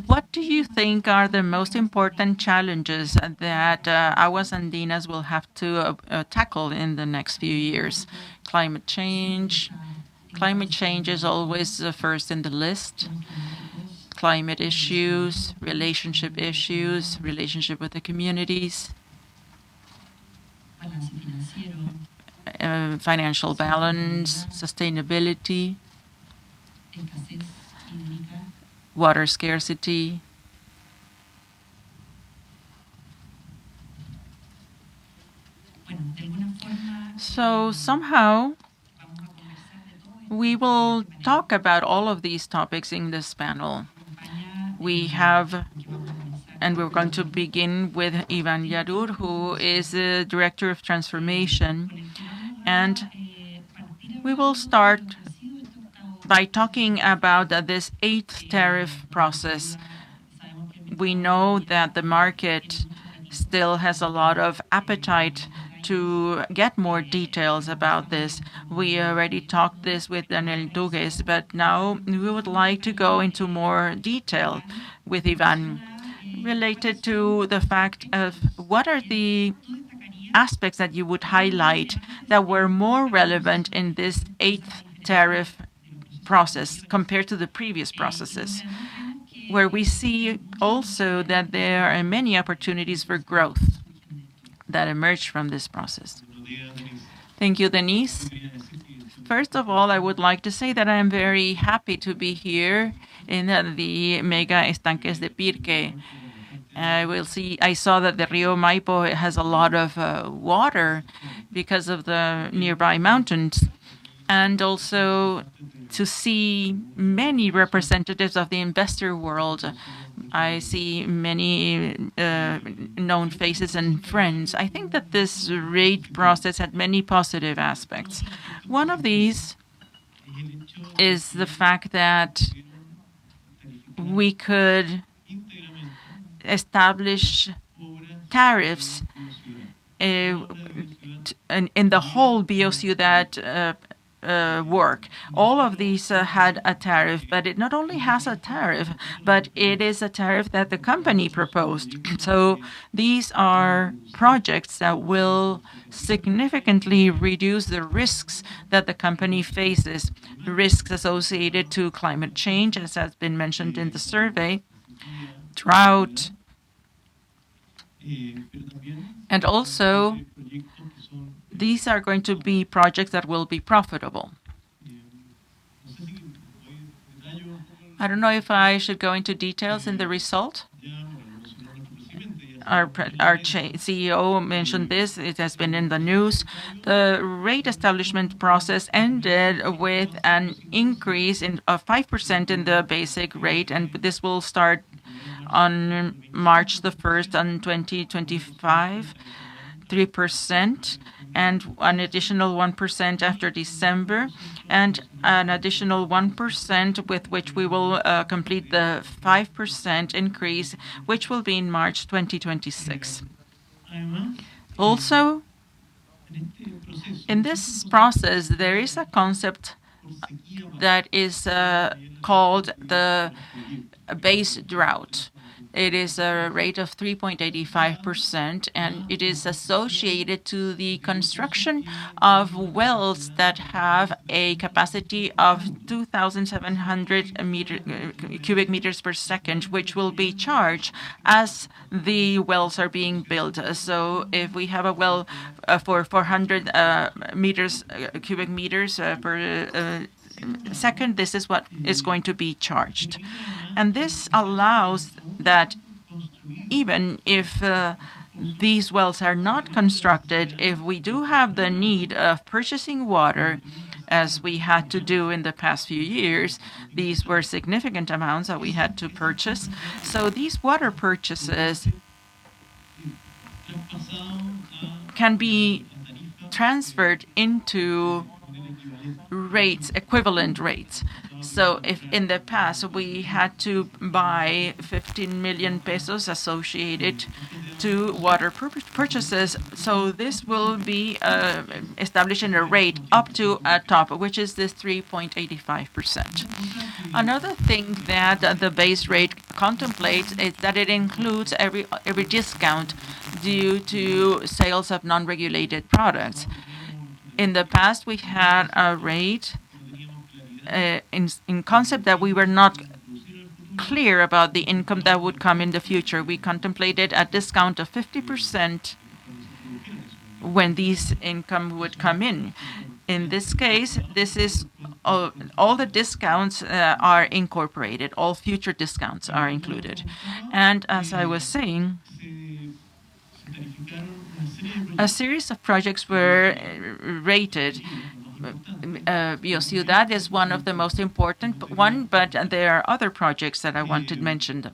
What do you think are the most important challenges that Aguas Andinas will have to tackle in the next few years? Climate change. Climate change is always the first in the list. Climate issues, relationship issues, relationship with the communities. Financial balance, sustainability, water scarcity. Somehow, we will talk about all of these topics in this panel. We're going to begin with Iván Yarur, who is the Director of Transformation. We will start by talking about this eighth tariff process. We know that the market still has a lot of appetite to get more details about this. We already talked this with Daniel Tugues, but now we would like to go into more detail with Iván related to the fact of what are the aspects that you would highlight that were more relevant in this eighth tariff process compared to the previous processes, where we see also that there are many opportunities for growth that emerged from this process. Thank you, Denisse. First of all, I would like to say that I am very happy to be here in the Mega Estanques de Pirque. I saw that the Río Maipo, it has a lot of water because of the nearby mountains, and also to see many representatives of the investor world. I see many known faces and friends. I think that this tariff process had many positive aspects. One of these is the fact that we could establish tariffs in the whole BOC that work. All of these had a tariff, but it not only has a tariff, but it is a tariff that the company proposed. These are projects that will significantly reduce the risks that the company faces, the risks associated to climate change, as has been mentioned in the survey, drought. These are going to be projects that will be profitable. I don't know if I should go into details in the result. Our CEO mentioned this. It has been in the news. The rate establishment process ended with an increase of 5% in the basic rate, and this will start on March 1, 2025, 3% and an additional 1% after December, and an additional 1% with which we will complete the 5% increase, which will be in March 2026. Also, in this process, there is a concept that is called the Base Drought. It is a rate of 3.85%, and it is associated to the construction of wells that have a capacity of 2,700 cubic meters per second, which will be charged as the wells are being built. If we have a well for 400 cubic meters per second, this is what is going to be charged. This allows that even if these wells are not constructed, if we do have the need of purchasing water, as we had to do in the past few years, these were significant amounts that we had to purchase. These water purchases can be transferred into rates, equivalent rates. If in the past, we had to buy 15 million pesos associated to water purchases, this will be establishing a rate up to a cap, which is the 3.85%. Another thing that the base rate contemplates is that it includes every discount due to sales of non-regulated products. In the past, we had a rate in concept that we were not clear about the income that would come in the future. We contemplated a discount of 50% when these income would come in. In this case, this is all the discounts are incorporated. All future discounts are included. As I was saying, a series of projects were rated. BOC that is one of the most important one, but there are other projects that I want to mention.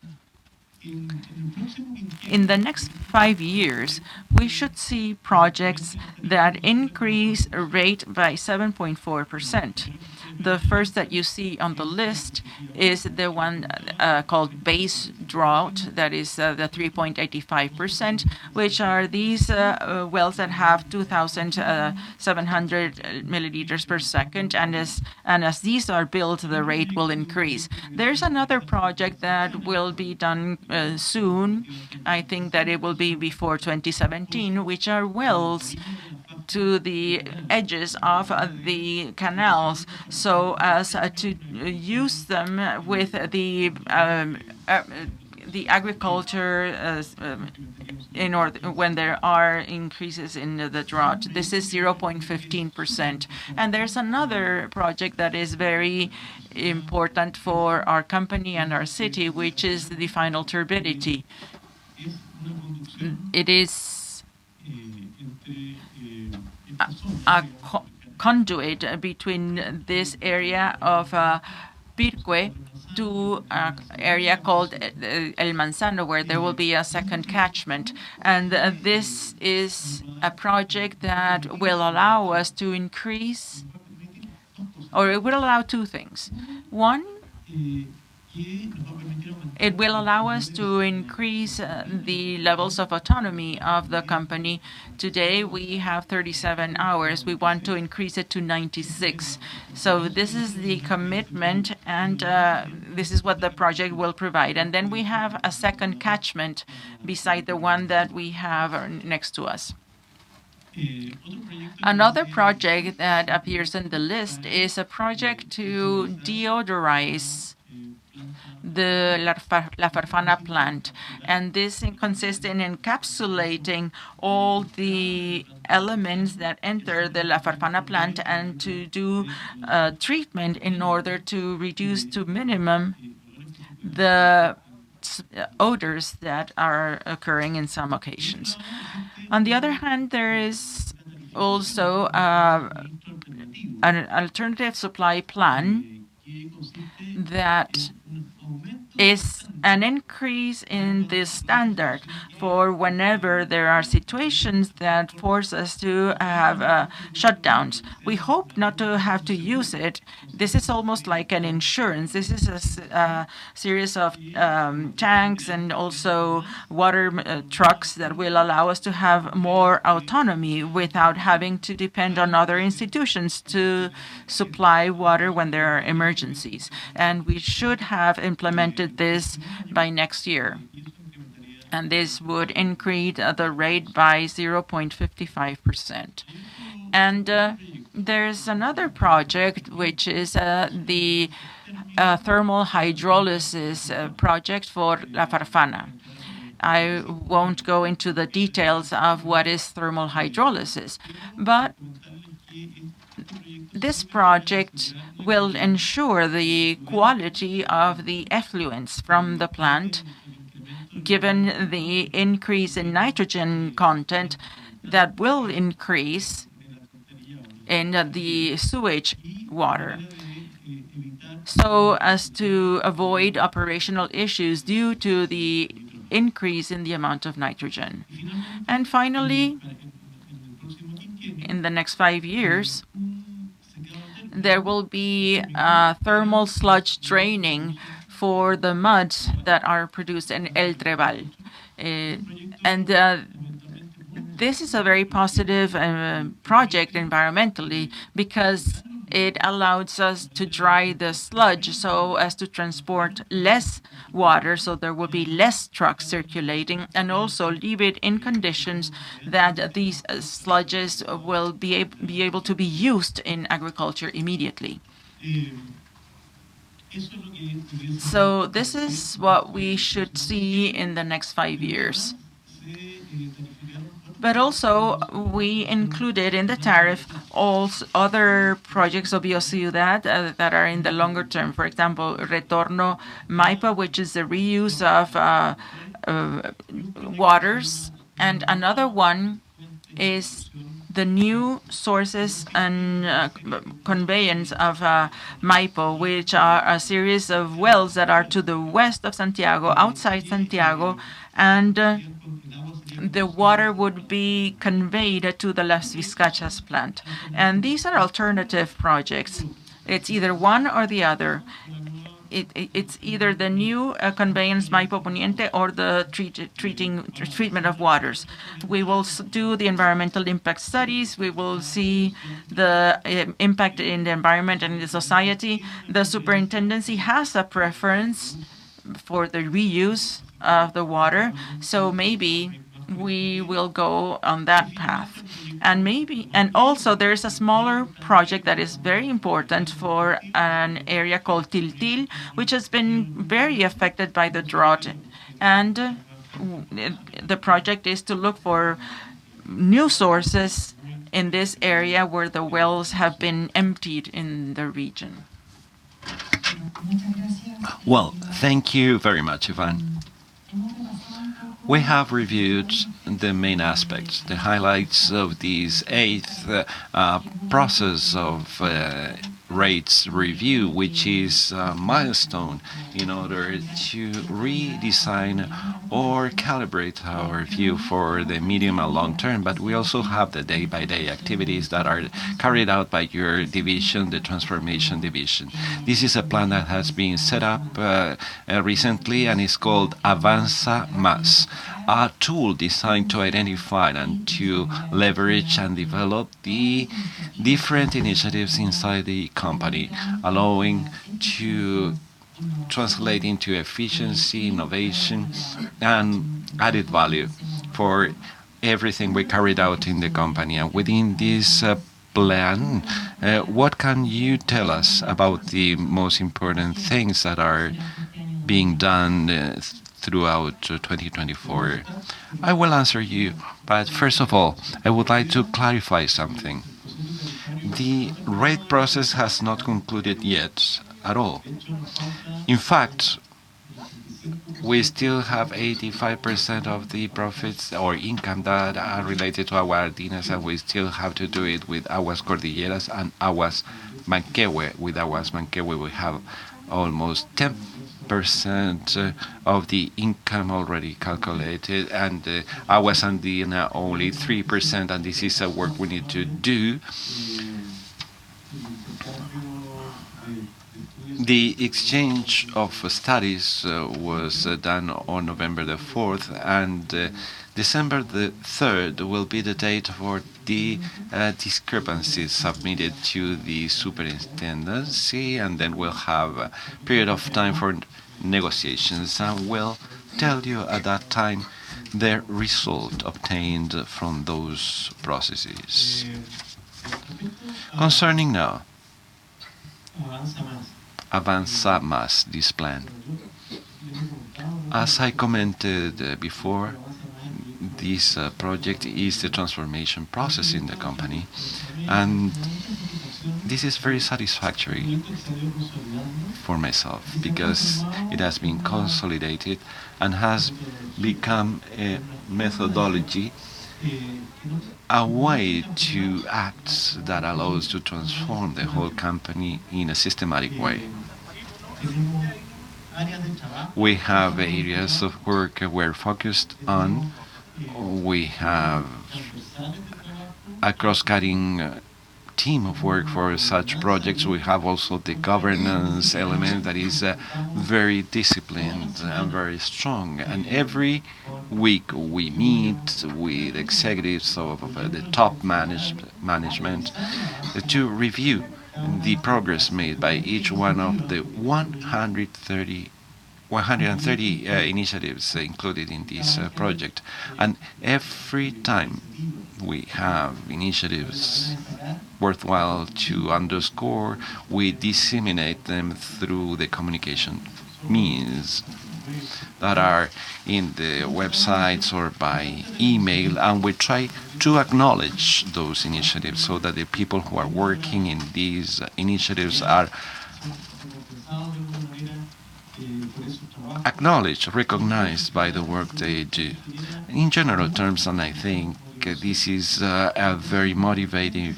In the next five years, we should see projects that increase rate by 7.4%. The first that you see on the list is the one called Base Drought. That is the 3.85%, which are these wells that have 2,700 liters per second. As these are built, the rate will increase. There's another project that will be done soon. I think that it will be before 2017, which are wells to the edges of the canals, so as to use them with the agriculture when there are increases in the drought. This is 0.15%. There's another project that is very important for our company and our city, which is the final turbidity. It is a conduit between this area of Pirque to an area called El Manzano, where there will be a second catchment. This is a project that will allow us to increase or it will allow two things. One, it will allow us to increase the levels of autonomy of the company. Today, we have 37 hours. We want to increase it to 96. This is the commitment, and this is what the project will provide. We have a second catchment beside the one that we have next to us. Another project that appears in the list is a project to deodorize the La Farfana plant, and this consists in encapsulating all the elements that enter the La Farfana plant and to do treatment in order to reduce to minimum the odors that are occurring in some occasions. On the other hand, there is also an alternative supply plan that is an increase in the standard for whenever there are situations that force us to have shutdowns. We hope not to have to use it. This is almost like an insurance. This is a series of tanks and also water trucks that will allow us to have more autonomy without having to depend on other institutions to supply water when there are emergencies. We should have implemented this by next year, and this would increase the rate by 0.55%. There's another project, which is the thermal hydrolysis project for La Farfana. I won't go into the details of what is thermal hydrolysis, but this project will ensure the quality of the effluent from the plant, given the increase in nitrogen content that will increase in the sewage water, so as to avoid operational issues due to the increase in the amount of nitrogen. Finally, in the next five years, there will be a thermal sludge treatment for the muds that are produced in El Trebal. This is a very positive project environmentally because it allows us to dry the sludge so as to transport less water, so there will be less trucks circulating and also leave it in conditions that these sludges will be able to be used in agriculture immediately. This is what we should see in the next five years. We included in the tariff other projects of us that are in the longer term. For example, Retorno Maipo, which is the reuse of waters. Another one is the new sources and conveyance of Maipo, which are a series of wells that are to the west of Santiago, outside Santiago, and the water would be conveyed to the Las Vizcachas plant. These are alternative projects. It's either one or the other. It's either the new conveyance Maipo Poniente or the treatment of waters. We will do the environmental impact studies. We will see the impact in the environment and the society. The Superintendency has a preference for the reuse of the water, so maybe we will go on that path. Also, there is a smaller project that is very important for an area called Til Til, which has been very affected by the drought. The project is to look for new sources in this area where the wells have been emptied in the region. Well, thank you very much, Iván. We have reviewed the main aspects, the highlights of this eighth process of rates review, which is a milestone in order to redesign or calibrate our view for the medium and long term. We also have the day-by-day activities that are carried out by your division, the transformation division. This is a plan that has been set up recently, and it's called Avanza+, a tool designed to identify and to leverage and develop the different initiatives inside the company, allowing to translate into efficiency, innovation, and added value for everything we carried out in the company. Within this plan, what can you tell us about the most important things that are being done throughout 2024? I will answer you, but first of all, I would like to clarify something. The rate process has not concluded yet at all. In fact, we still have 85% of the profits or income that are related to Aguas Andinas, and we still have to do it with Aguas Cordillera and Aguas Manquehue. With Aguas Manquehue, we have almost 10% of the income already calculated, and Aguas Andinas only 3%, and this is a work we need to do. The exchange of studies was done on November 4, and December 3 will be the date for the discrepancies submitted to the superintendency, and then we'll have a period of time for negotiations. I will tell you at that time the result obtained from those processes. Concerning now Avanza+, this plan. As I commented before, this project is the transformation process in the company, and this is very satisfactory for myself because it has been consolidated and has become a methodology, a way to act that allows to transform the whole company in a systematic way. We have areas of work we're focused on. We have a cross-cutting team of work for such projects. We have also the governance element that is very disciplined and very strong. Every week we meet with executives of the top management to review the progress made by each one of the 130 initiatives included in this project. Every time we have initiatives worthwhile to underscore, we disseminate them through the communication means that are in the websites or by email, and we try to acknowledge those initiatives so that the people who are working in these initiatives are acknowledged, recognized by the work they do in general terms, and I think this is a very motivating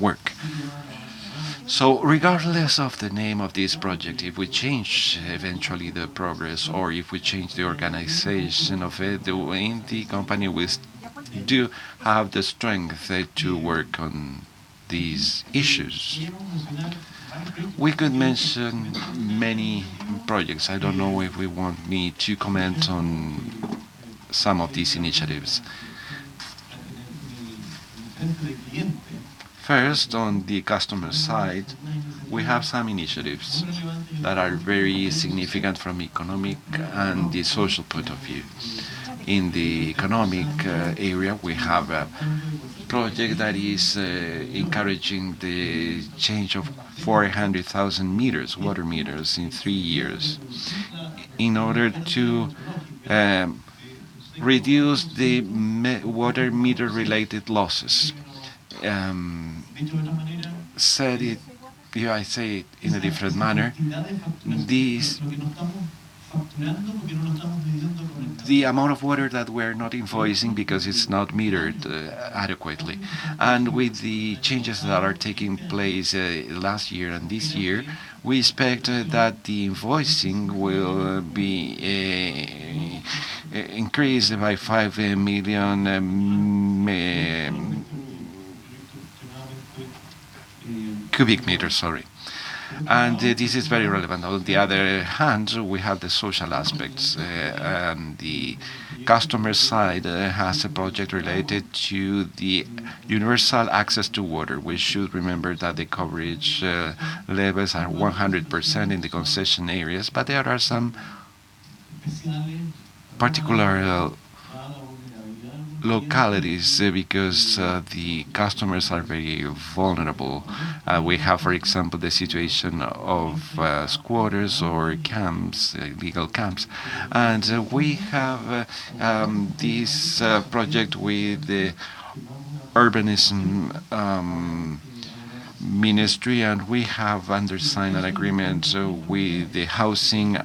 work. Regardless of the name of this project, if we change eventually the progress or if we change the organization of it in the company, we do have the strength to work on these issues. We could mention many projects. I don't know if we want me to comment on some of these initiatives. First, on the customer side, we have some initiatives that are very significant from economic and the social point of view. In the economic area, we have a project that is encouraging the change of 400,000 meters, water meters in 3 years in order to reduce the water meter-related losses. If I say it in a different manner, this, the amount of water that we're not invoicing because it's not metered adequately. With the changes that are taking place last year and this year, we expect that the invoicing will be increased by 5 million cubic meters, sorry. This is very relevant. On the other hand, we have the social aspects. The customer side has a project related to the universal access to water. We should remember that the coverage levels are 100% in the concession areas, but there are some particular localities because the customers are very vulnerable. We have, for example, the situation of squatters or camps, illegal camps. We have this project with the urbanism ministry, and we have undersigned an agreement with the housing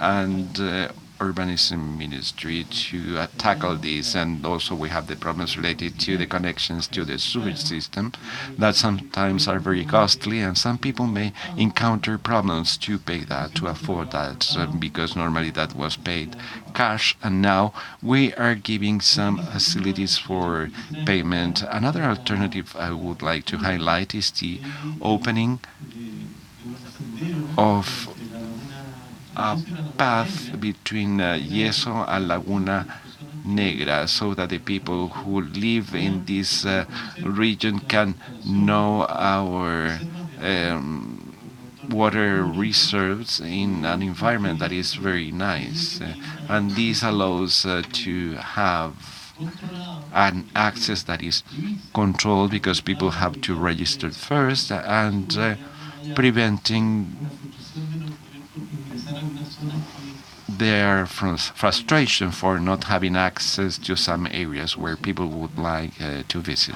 and urbanism ministry to tackle this. Also we have the problems related to the connections to the sewage system that sometimes are very costly, and some people may encounter problems to pay that, to afford that, because normally that was paid cash, and now we are giving some facilities for payment. Another alternative I would like to highlight is the opening of a path between Yeso and Laguna Negra so that the people who live in this region can know our water reserves in an environment that is very nice. This allows to have an access that is controlled because people have to register first and preventing their frustration for not having access to some areas where people would like to visit.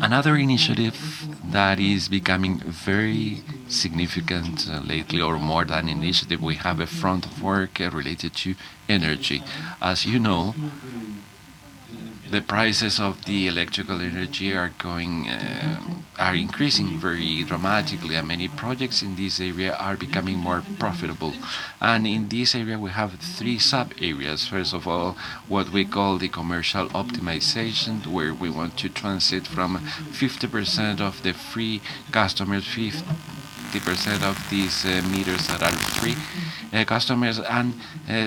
Another initiative that is becoming very significant lately or more than initiative, we have a front work related to energy. As you know, the prices of the electrical energy are increasing very dramatically, and many projects in this area are becoming more profitable. In this area, we have three sub-areas. First of all, what we call the commercial optimization, where we want to transit from 50% of the free customers, 50% of these meters that are free customers and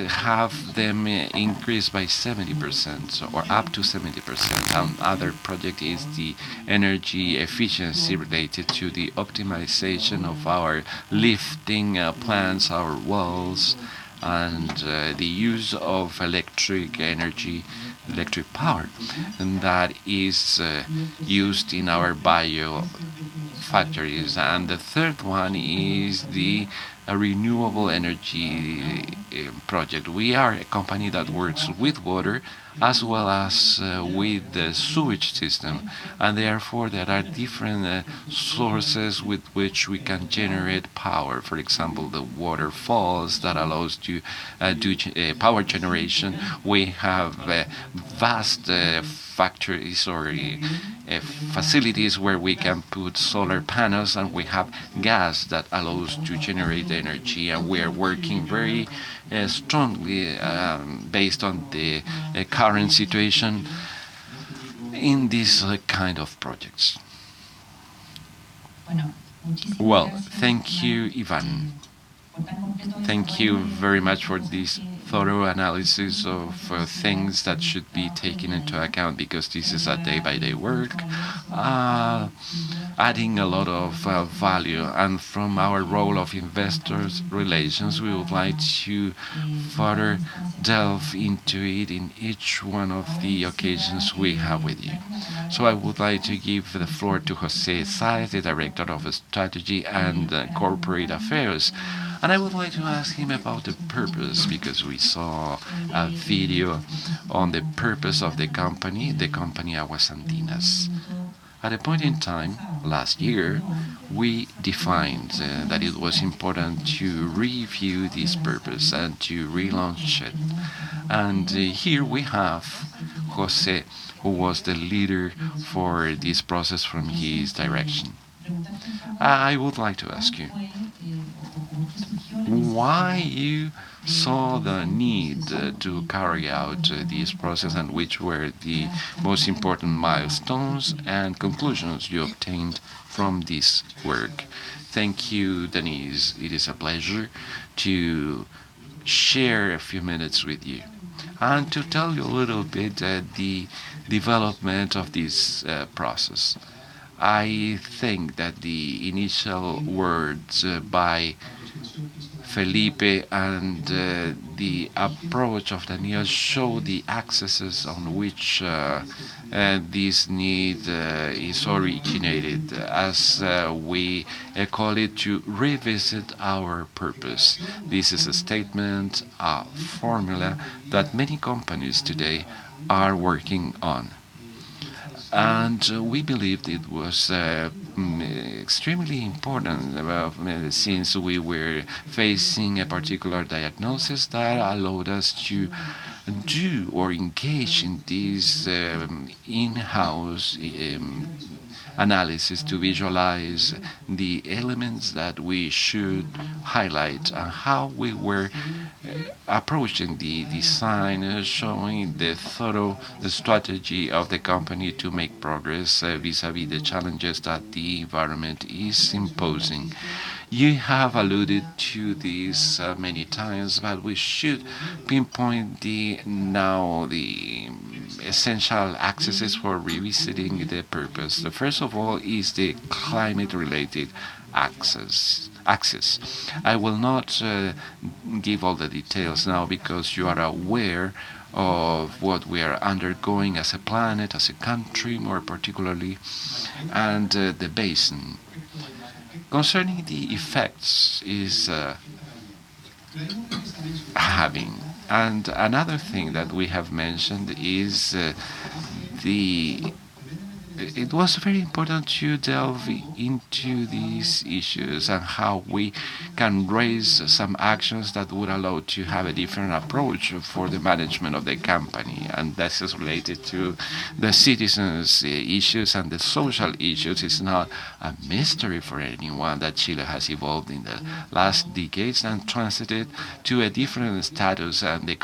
have them increase by 70% or up to 70%. Other project is the energy efficiency related to the optimization of our lifting plants, our wells, and the use of electric energy, electric power, and that is used in our bio factories. The third one is the renewable energy project. We are a company that works with water as well as with the sewage system, and therefore, there are different sources with which we can generate power. For example, the waterfalls that allows to do power generation. We have vast factories or facilities where we can put solar panels, and we have gas that allows to generate energy. We are working very strongly based on the current situation in these kind of projects. Well, thank you, Iván. Thank you very much for this thorough analysis of things that should be taken into account because this is a day-by-day work adding a lot of value. From our role of investor relations, we would like to further delve into it in each one of the occasions we have with you. I would like to give the floor to José Sáez, the director of strategy and corporate affairs. I would like to ask him about the purpose because we saw a video on the purpose of the company, the company Aguas Andinas. At a point in time last year, we defined that it was important to review this purpose and to relaunch it. Here we have José, who was the leader for this process from his direction. I would like to ask you why you saw the need to carry out this process, and which were the most important milestones and conclusions you obtained from this work? Thank you, Denisse. It is a pleasure to share a few minutes with you and to tell you a little bit, the development of this, process. I think that the initial words by Felipe and, the approach of Daniel show the axes on which, this need, is originated as, we call it to revisit our purpose. This is a statement, a formula that many companies today are working on. We believed it was extremely important since we were facing a particular diagnosis that allowed us to do or engage in this in-house analysis to visualize the elements that we should highlight on how we were approaching the design, showing the thorough strategy of the company to make progress vis-à-vis the challenges that the environment is imposing. You have alluded to this many times, but we should pinpoint now the essential aspects for revisiting the purpose. The first of all is the climate-related aspect. I will not give all the details now because you are aware of what we are undergoing as a planet, as a country, more particularly, and the basin. Concerning the effects is having. Another thing that we have mentioned is, it was very important to delve into these issues and how we can raise some actions that would allow to have a different approach for the management of the company, and this is related to the citizens issues and the social issues. It's not a mystery for anyone that Chile has evolved in the last decades and transited to a different status. The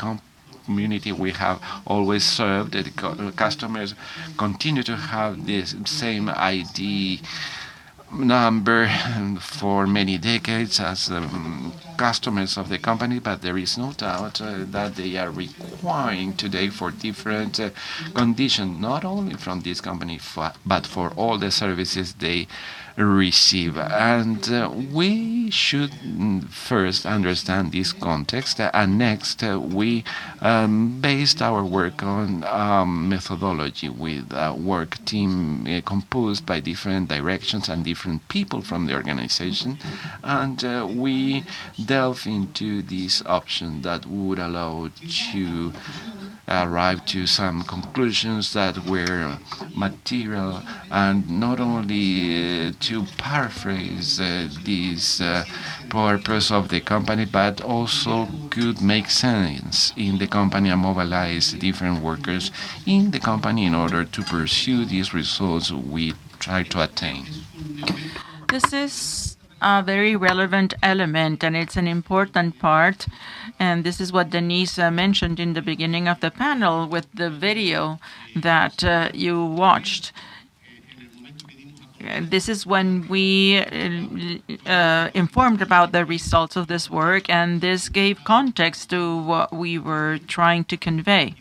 community we have always served, the customers continue to have the same ID number for many decades as customers of the company. But there is no doubt that they are requiring today for different condition, not only from this company but for all the services they receive. We should first understand this context. Next, we based our work on methodology with a work team composed by different directions and different people from the organization. We delved into this option that would allow to arrive to some conclusions that were material, and not only to paraphrase these purpose of the company, but also could make sense in the company and mobilize different workers in the company in order to pursue these results we try to attain. This is a very relevant element, and it's an important part, and this is what Denisse mentioned in the beginning of the panel with the video that you watched. This is when we informed about the results of this work, and this gave context to what we were trying to convey.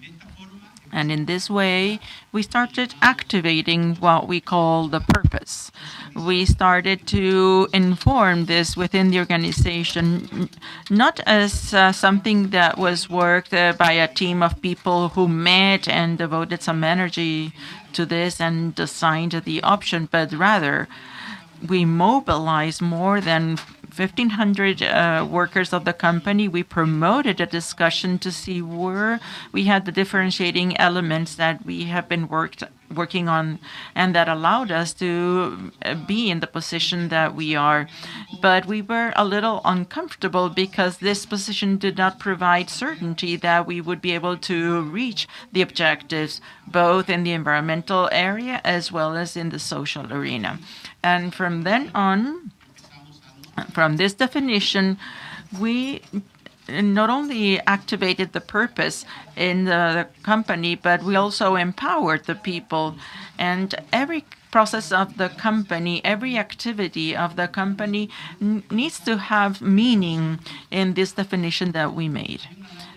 In this way, we started activating what we call the purpose. We started to inform this within the organization not as something that was worked by a team of people who met and devoted some energy to this and assigned the option, but rather we mobilized more than 1,500 workers of the company. We promoted a discussion to see where we had the differentiating elements that we have been working on and that allowed us to be in the position that we are. We were a little uncomfortable because this position did not provide certainty that we would be able to reach the objectives, both in the environmental area as well as in the social arena. From then on, from this definition, we not only activated the purpose in the company, but we also empowered the people. Every process of the company, every activity of the company needs to have meaning in this definition that we made.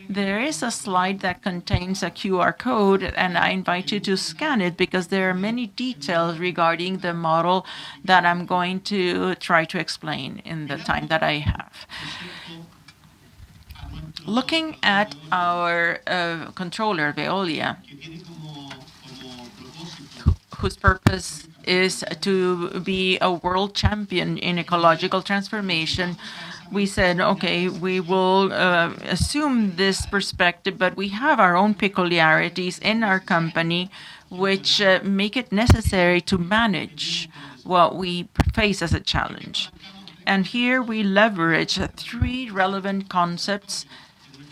There is a slide that contains a QR code, and I invite you to scan it because there are many details regarding the model that I'm going to try to explain in the time that I have. Looking at our controller, Veolia, whose purpose is to be a world champion in ecological transformation, we said, "Okay, we will assume this perspective, but we have our own peculiarities in our company which make it necessary to manage what we face as a challenge." Here we leverage three relevant concepts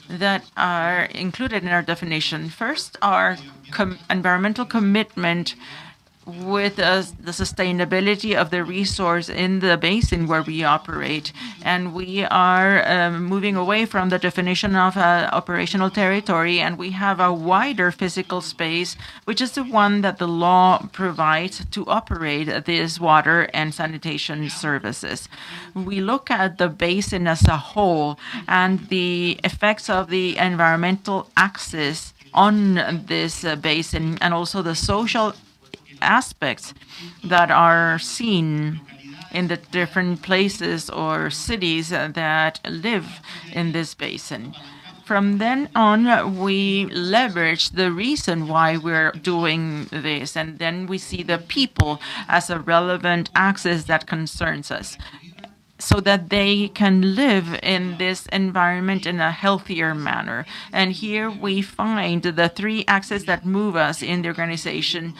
that are included in our definition. First, our environmental commitment with the sustainability of the resource in the basin where we operate. We are moving away from the definition of operational territory, and we have a wider physical space, which is the one that the law provides to operate this water and sanitation services. We look at the basin as a whole and the effects of the environmental axis on this basin and also the social aspects that are seen in the different places or cities that live in this basin. From then on, we leverage the reason why we're doing this, and then we see the people as a relevant axis that concerns us, so that they can live in this environment in a healthier manner. Here we find the three axes that move us in the organization,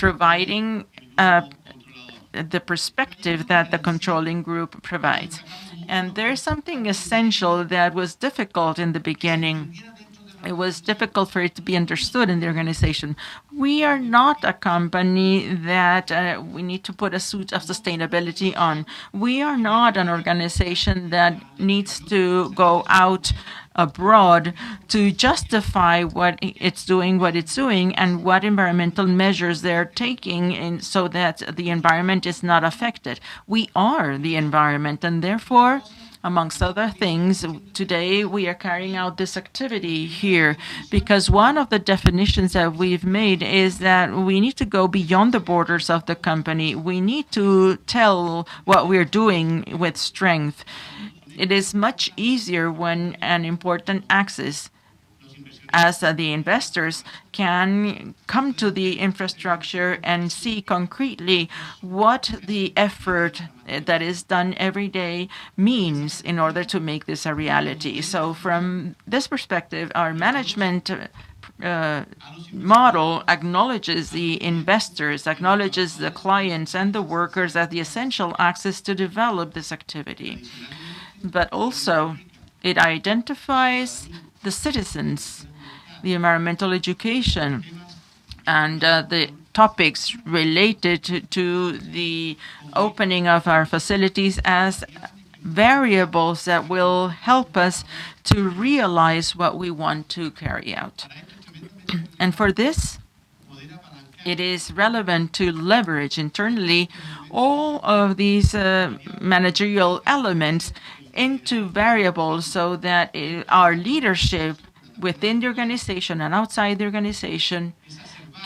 providing the perspective that the controlling group provides. There is something essential that was difficult in the beginning. It was difficult for it to be understood in the organization. We are not a company that we need to put a suit of sustainability on. We are not an organization that needs to go out abroad to justify what it's doing and what environmental measures they're taking so that the environment is not affected. We are the environment and therefore, among other things, today we are carrying out this activity here. Because one of the definitions that we've made is that we need to go beyond the borders of the company. We need to tell what we're doing with strength. It is much easier when an important access. As the investors can come to the infrastructure and see concretely what the effort that is done every day means in order to make this a reality. From this perspective, our management model acknowledges the investors, acknowledges the clients and the workers at the essential access to develop this activity. It identifies the citizens, the environmental education, and the topics related to the opening of our facilities as variables that will help us to realize what we want to carry out. For this, it is relevant to leverage internally all of these managerial elements into variables so that our leadership within the organization and outside the organization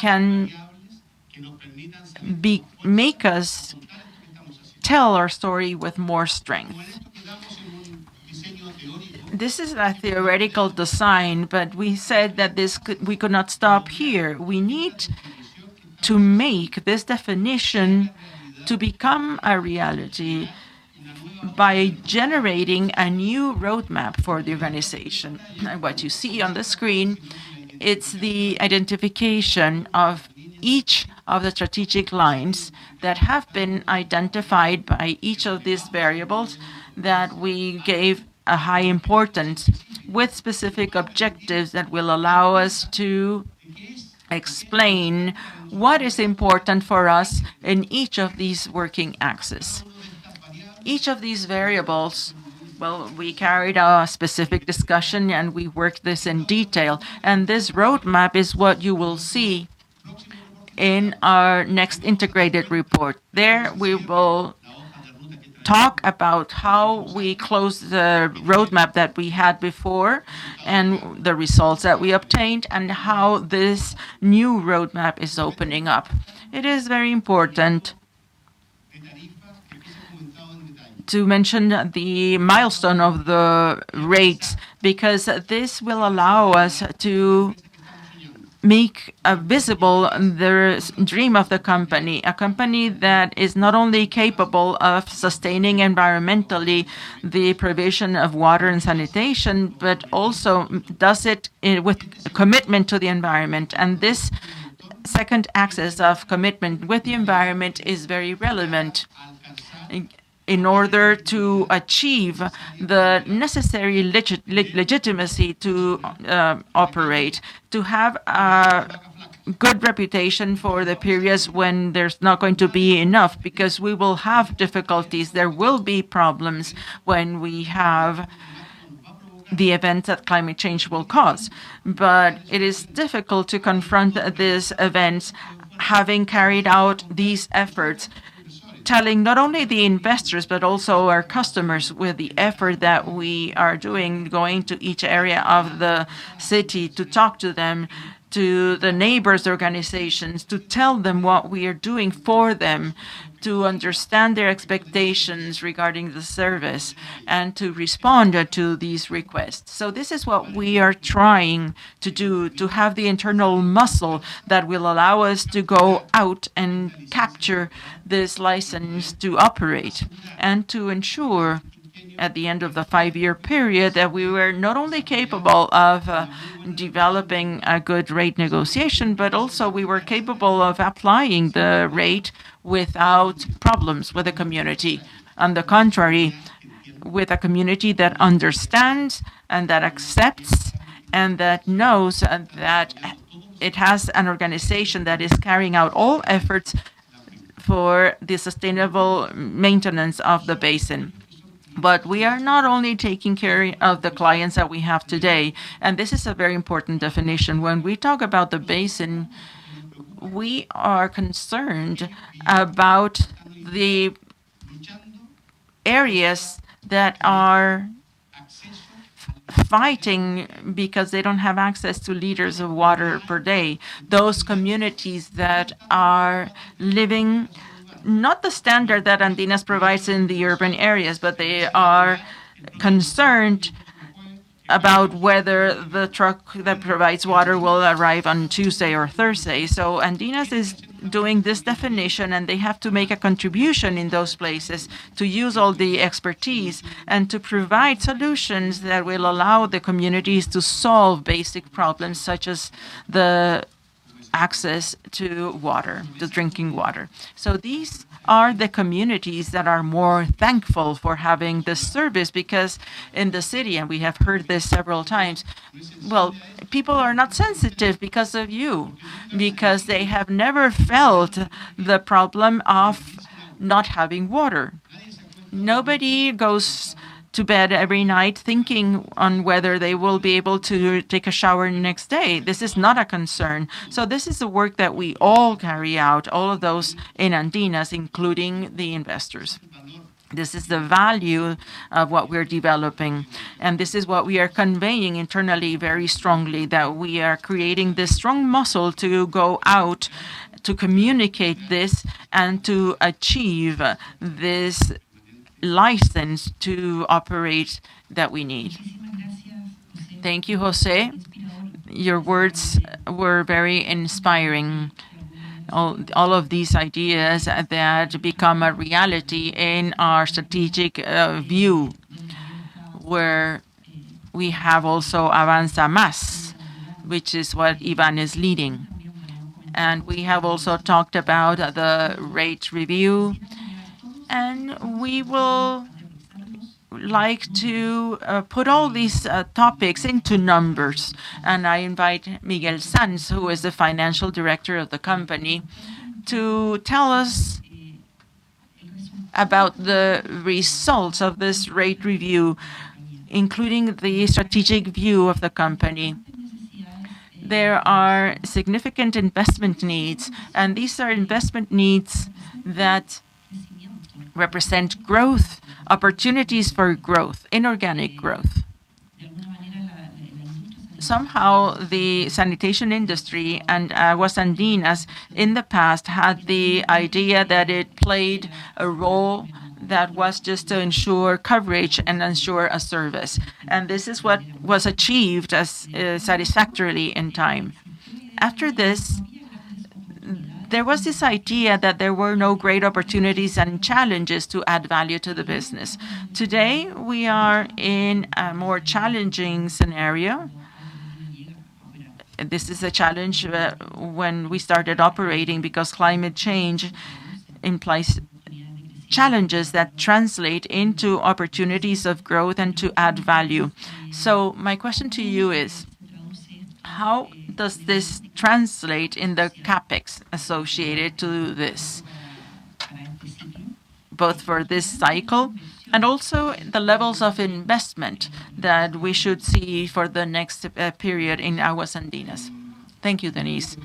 can make us tell our story with more strength. This is a theoretical design, but we said that we could not stop here. We need to make this definition to become a reality by generating a new roadmap for the organization. What you see on the screen, it's the identification of each of the strategic lines that have been identified by each of these variables that we gave a high importance with specific objectives that will allow us to explain what is important for us in each of these working axes. Each of these variables, well, we carried our specific discussion, and we worked this in detail. This roadmap is what you will see in our next integrated report. There we will talk about how we closed the roadmap that we had before and the results that we obtained and how this new roadmap is opening up. It is very important to mention the milestone of the rates, because this will allow us to make visible the dream of the company, a company that is not only capable of sustaining environmentally the provision of water and sanitation, but also does it with commitment to the environment. This second axis of commitment with the environment is very relevant in order to achieve the necessary legitimacy to operate, to have a good reputation for the periods when there's not going to be enough, because we will have difficulties. There will be problems when we have the event that climate change will cause. It is difficult to confront these events having carried out these efforts, telling not only the investors, but also our customers, with the effort that we are doing, going to each area of the city to talk to them, to the neighbors' organizations, to tell them what we are doing for them, to understand their expectations regarding the service, and to respond to these requests. This is what we are trying to do to have the internal muscle that will allow us to go out and capture this license to operate, and to ensure at the end of the five-year period that we were not only capable of developing a good rate negotiation, but also we were capable of applying the rate without problems with the community. On the contrary, with a community that understands and that accepts and that knows that it has an organization that is carrying out all efforts for the sustainable maintenance of the basin. We are not only taking care of the clients that we have today, and this is a very important definition. When we talk about the basin, we are concerned about the areas that are fighting because they don't have access to liters of water per day. Those communities that are living not the standard that Andinas provides in the urban areas, but they are concerned about whether the truck that provides water will arrive on Tuesday or Thursday. Aguas Andinas is doing this definition, and they have to make a contribution in those places to use all the expertise and to provide solutions that will allow the communities to solve basic problems such as the access to water, to drinking water. These are the communities that are more thankful for having this service, because in the city, and we have heard this several times, well, people are not sensitive because of you, because they have never felt the problem of not having water. Nobody goes to bed every night thinking on whether they will be able to take a shower the next day. This is not a concern. This is the work that we all carry out, all of those in Aguas Andinas, including the investors. This is the value of what we're developing, and this is what we are conveying internally very strongly, that we are creating this strong muscle to go out to communicate this and to achieve this license to operate that we need. Thank you, José. Your words were very inspiring. All of these ideas that become a reality in our strategic view, where we have also Avanza+, which is what Iván is leading. We have also talked about the rate review, and we would like to put all these topics into numbers. I invite Miquel Sans, who is the financial director of the company, to tell us about the results of this rate review, including the strategic view of the company. There are significant investment needs, and these are investment needs that represent growth, opportunities for growth, inorganic growth. Somehow, the sanitation industry and Aguas Andinas in the past had the idea that it played a role that was just to ensure coverage and ensure a service. This is what was achieved as satisfactorily in time. After this, there was this idea that there were no great opportunities and challenges to add value to the business. Today, we are in a more challenging scenario. This is a challenge when we started operating because climate change implies challenges that translate into opportunities of growth and to add value. So my question to you is: How does this translate in the CapEx associated to this, both for this cycle and also the levels of investment that we should see for the next period in Aguas Andinas? Thank you, Denisse.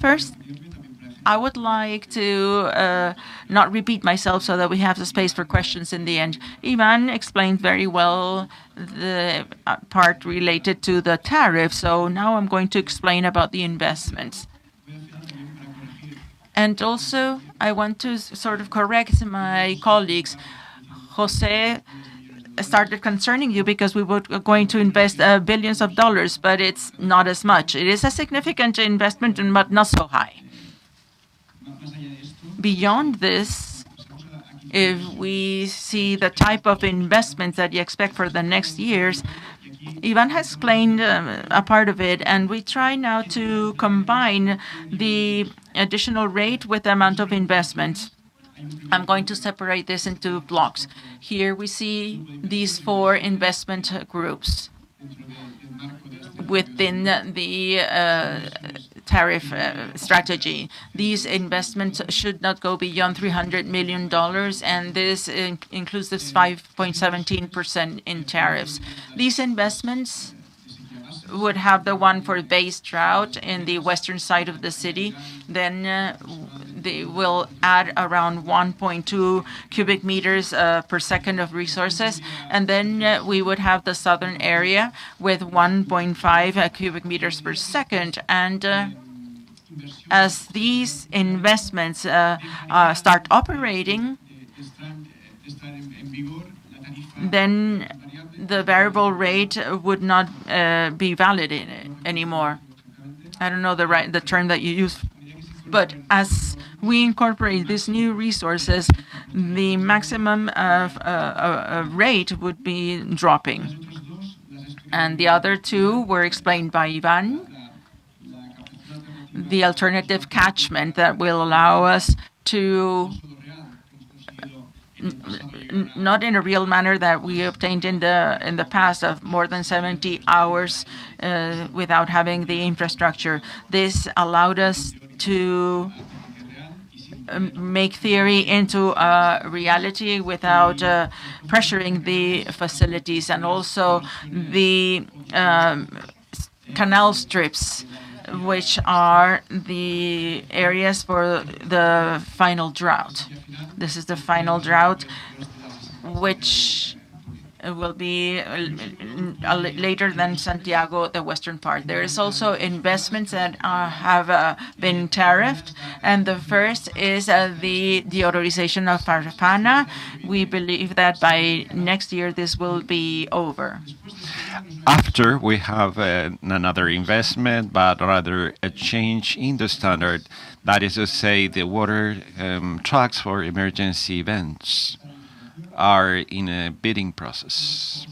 First, I would like to not repeat myself so that we have the space for questions in the end. Iván explained very well the part related to the tariff, so now I'm going to explain about the investments. Also, I want to sort of correct my colleagues. José started concerning you because we were going to invest $ billions, but it's not as much. It is a significant investment, but not so high. Beyond this, if we see the type of investment that you expect for the next years, Iván has explained a part of it, and we try now to combine the additional rate with the amount of investment. I'm going to separate this into blocks. Here we see these four investment groups within the tariff strategy. These investments should not go beyond $300 million, and this includes this 5.17% in tariffs. These investments would have the one for Base Drought in the western side of the city. Then they will add around 1.2 cubic meters per second of resources. Then we would have the southern area with 1.5 cubic meters per second. As these investments start operating, the variable rate would not be valid anymore. I don't know the right term that you use. But as we incorporate these new resources, the maximum of rate would be dropping. The other two were explained by Iván. The alternative catchment that will allow us to not in a real manner that we obtained in the past of more than 70 hours without having the infrastructure. This allowed us to make theory into a reality without pressuring the facilities and also the canal strips, which are the areas for the final drought. This is the final drought, which will be later than Santiago, the western part. There is also investments that have been tariffed, and the first is the deodorization of Farfana. We believe that by next year, this will be over. After we have another investment, but rather a change in the standard. That is to say the water trucks for emergency events are in a bidding process.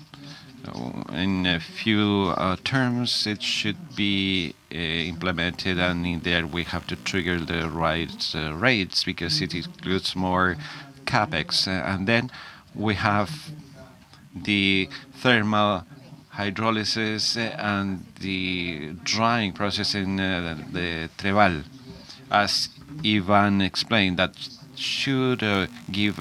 In a few terms, it should be implemented, and in there we have to trigger the right rates because it includes more CapEx. Then we have the thermal hydrolysis and the drying process in the Trebal. As Iván explained, that should give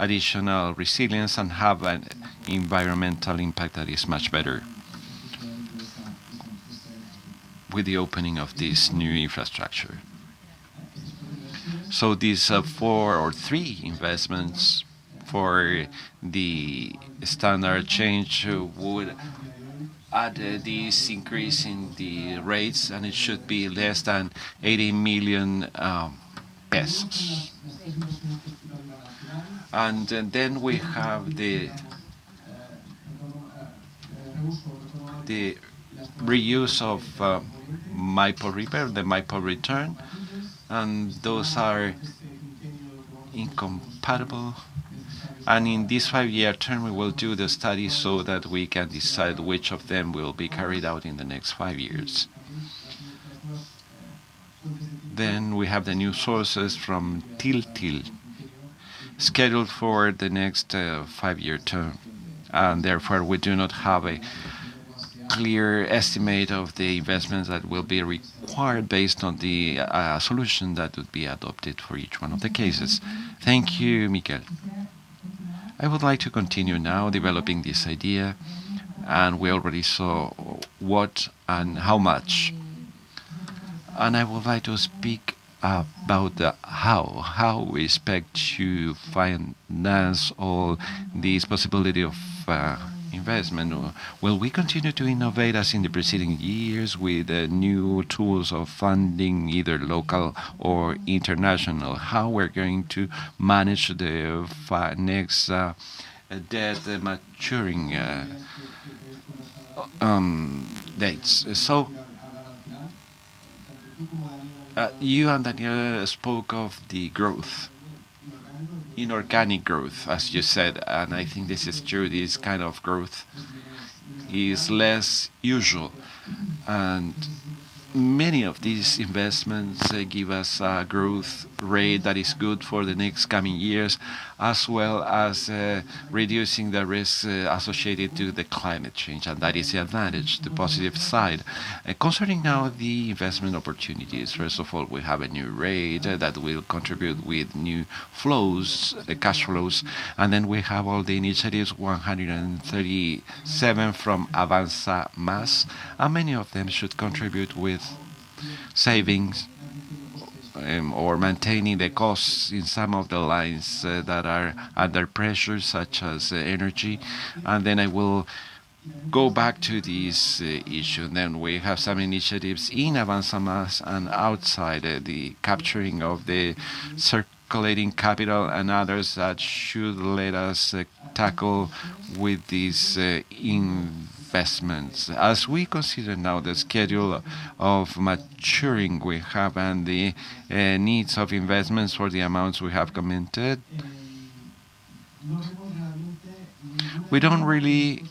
additional resilience and have an environmental impact that is much better with the opening of this new infrastructure. These four or three investments for the standard change would Add these increase in the rates, and it should be less than 80 million pesos. We have the reuse of Maipo River, the Maipo Return, and those are incompatible. In this 5-year term, we will do the study so that we can decide which of them will be carried out in the next 5 years. We have the new sources from Til Til scheduled for the next 5-year term. Therefore, we do not have a clear estimate of the investments that will be required based on the solution that would be adopted for each one of the cases. Thank you, Miquel. I would like to continue now developing this idea, and we already saw what and how much. I would like to speak about how we expect to finance all this possibility of investment. Will we continue to innovate as in the preceding years with the new tools of funding, either local or international? How we're going to manage the next debt maturing dates. You and Daniel spoke of the growth, inorganic growth, as you said, and I think this is true. This kind of growth is less usual, and many of these investments give us a growth rate that is good for the next coming years, as well as reducing the risk associated to the climate change. That is the advantage, the positive side. Concerning now the investment opportunities, first of all, we have a new rate that will contribute with new flows, cash flows, and then we have all the initiatives, 137 from Avanza+. Many of them should contribute with savings, or maintaining the costs in some of the lines that are under pressure, such as energy. I will go back to this issue. We have some initiatives in Avanza+ and outside, the capturing of the circulating capital and others that should let us tackle with these investments. As we consider now the schedule of maturing we have and the needs of investments for the amounts we have committed, we don't really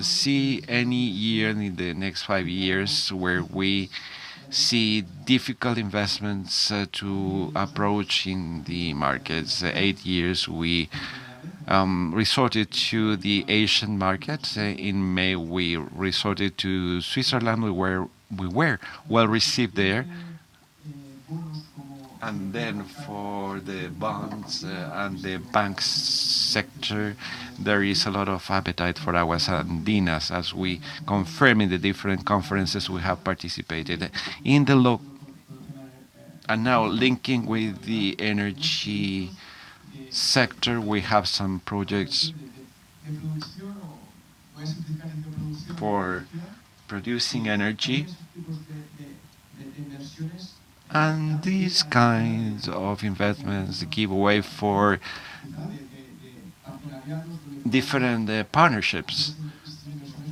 see any year in the next 5 years where we see difficult investments to approach in the markets. 8 years, we resorted to the Asian market. In May, we resorted to Switzerland, where we were well-received there. For the bonds and the bank sector, there is a lot of appetite for our securities, as we confirm in the different conferences we have participated. Now linking with the energy sector, we have some projects for producing energy. These kinds of investments give way for different partnerships,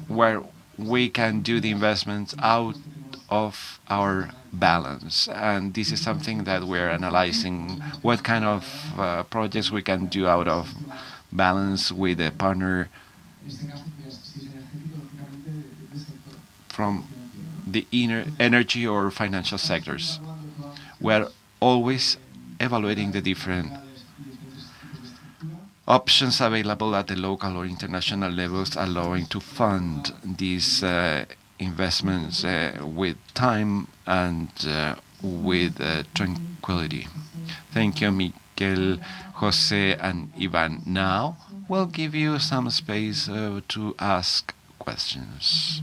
where we can do the investments off our balance. This is something that we're analyzing, what kind of projects we can do off balance with a partner from the energy or financial sectors. We're always evaluating the different options available at the local or international levels, allowing to fund these investments with time and with tranquility. Thank you, Miquel, José, and Iván. Now, we'll give you some space to ask questions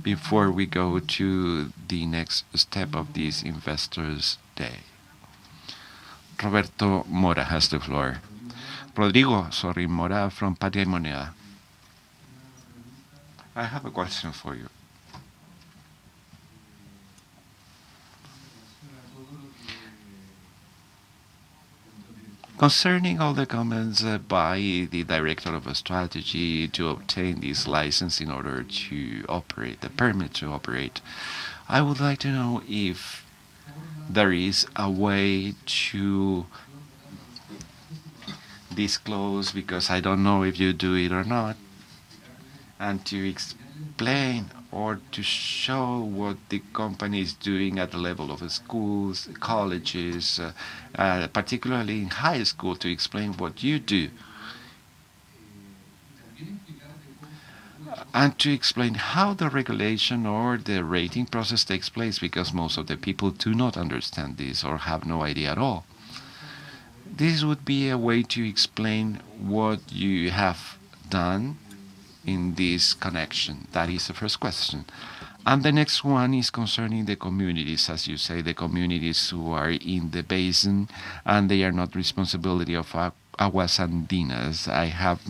before we go to the next step of this Investor Day. Rodrigo Mora has the floor. Rodrigo, sorry, Mora from Patria Moneda. I have a question for you. Concerning all the comments by the director of strategy to obtain this license in order to operate, the permit to operate, I would like to know if there is a way to disclose, because I don't know if you do it or not, and to explain or to show what the company is doing at the level of schools, colleges, particularly in high school, to explain what you do. And to explain how the regulation or the rating process takes place, because most of the people do not understand this or have no idea at all. This would be a way to explain what you have done in this connection. That is the first question. The next one is concerning the communities. As you say, the communities who are in the basin, and they are not the responsibility of Aguas Andinas. I have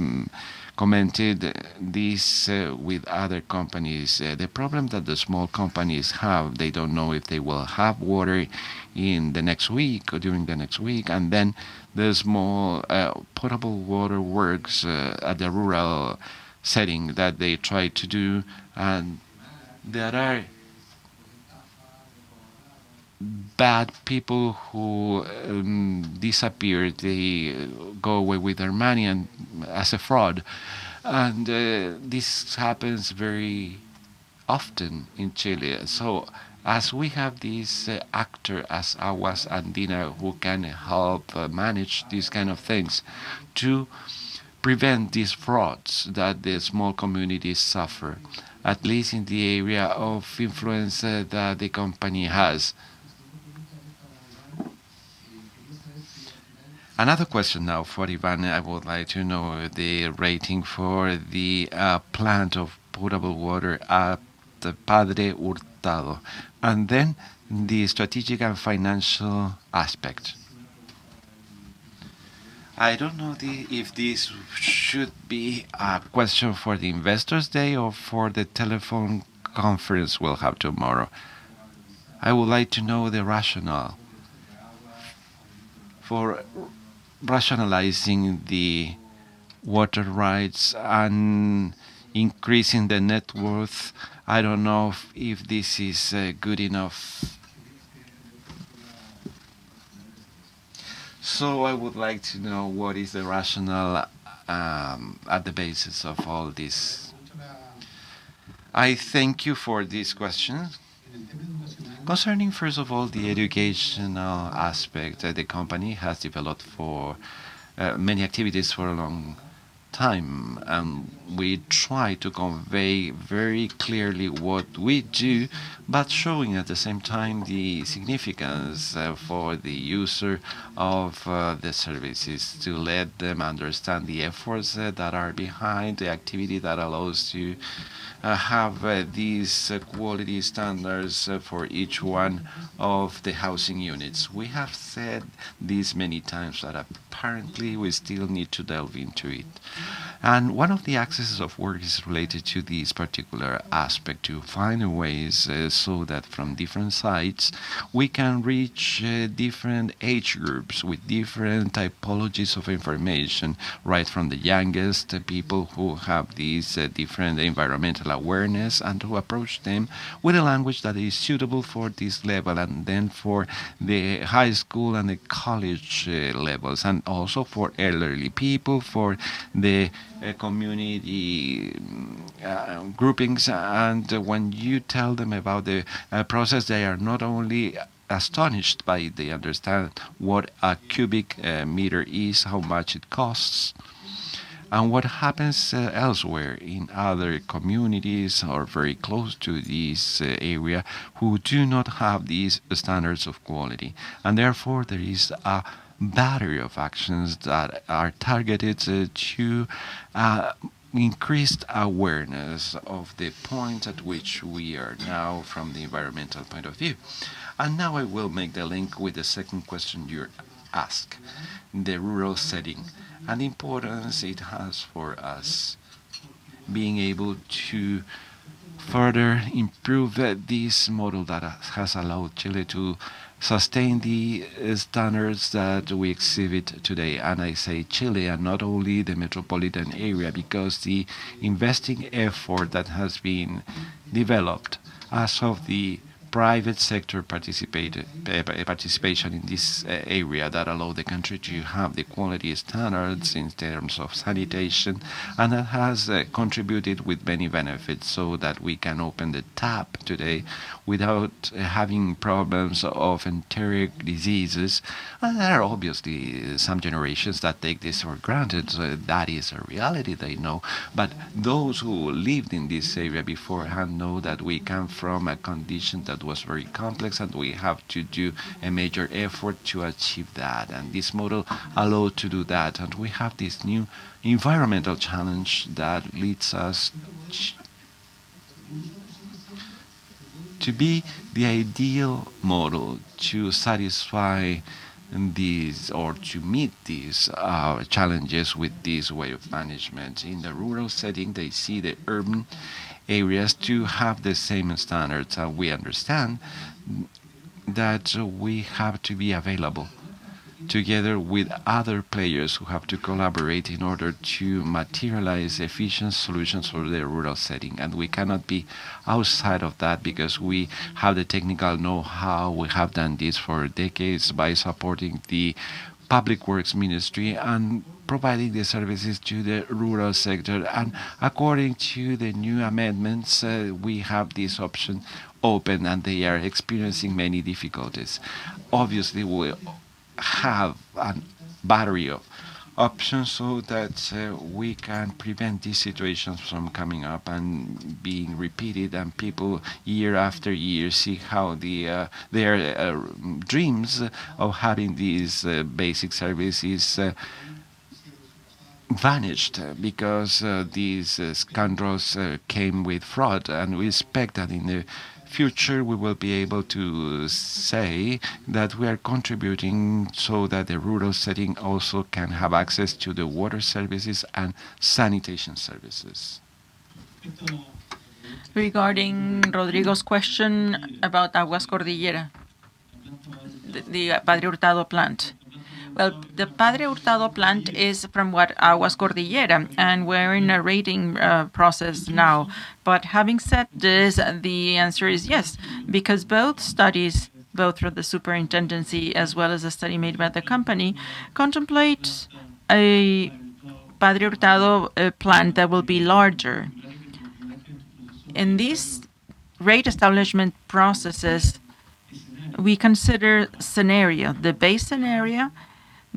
commented this with other companies. The problem that the small companies have, they don't know if they will have water in the next week or during the next week. There's more, potable water works in the rural setting that they try to do. There are bad people who disappear. They go away with their money and as a fraud. This happens very often in Chile. As we have this actor as Aguas Andinas who can help manage these kind of things to prevent these frauds that the small communities suffer, at least in the area of influence that the company has. Another question now for Iván. I would like to know the rating for the plant of potable water at Padre Hurtado, and then the strategic and financial aspect. I don't know if this should be a question for the Investor Day or for the telephone conference we'll have tomorrow. I would like to know the rationale for rationalizing the water rights and increasing the net worth. I don't know if this is good enough. I would like to know what is the rationale at the basis of all this. I thank you for this question. Concerning, first of all, the educational aspect that the company has developed for many activities for a long time. We try to convey very clearly what we do, but showing at the same time the significance for the user of the services to let them understand the efforts that are behind the activity that allows to have these quality standards for each one of the housing units. We have said this many times that apparently we still need to delve into it. One of the axes of work is related to this particular aspect, to find ways so that from different sides we can reach different age groups with different typologies of information, right from the youngest people who have these different environmental awareness, and to approach them with a language that is suitable for this level, and then for the high school and the college levels, and also for elderly people, for the community groupings. When you tell them about the process, they are not only astonished by it, they understand what a cubic meter is, how much it costs, and what happens elsewhere in other communities or very close to this area who do not have these standards of quality. Therefore, there is a battery of actions that are targeted to increased awareness of the point at which we are now from the environmental point of view. Now I will make the link with the second question you ask, the rural setting and the importance it has for us being able to further improve this model that has allowed Chile to sustain the standards that we exhibit today. I say Chile and not only the metropolitan area, because the investing effort that has been developed as of the private sector participation in this area that allow the country to have the quality standards in terms of sanitation. That has contributed with many benefits so that we can open the tap today without having problems of enteric diseases. There are obviously some generations that take this for granted. That is a reality they know. Those who lived in this area beforehand know that we come from a condition that was very complex, and we have to do a major effort to achieve that. This model allow to do that. We have this new environmental challenge that leads us to be the ideal model to satisfy these or to meet these challenges with this way of management. In the rural setting, they see the urban areas to have the same standards. We understand that we have to be available together with other players who have to collaborate in order to materialize efficient solutions for the rural setting. We cannot be outside of that because we have the technical know-how. We have done this for decades by supporting the Public Works Ministry and providing the services to the rural sector. According to the new amendments, we have this option open, and they are experiencing many difficulties. Obviously, we have a battery of options so that we can prevent these situations from coming up and being repeated. People year after year see how their dreams of having these basic services vanished because these scoundrels came with fraud. We expect that in the future, we will, of course, be able to say that we are contributing so that the rural setting also can have access to the water services and sanitation services. Regarding Rodrigo's question about Aguas Cordillera, the Padre Hurtado plant. The Padre Hurtado plant is from Aguas Cordillera, and we're in a rating process now. Having said this, the answer is yes, because both studies, both through the superintendency as well as the study made by the company, contemplate a Padre Hurtado plant that will be larger. In these rate establishment processes, we consider the base scenario,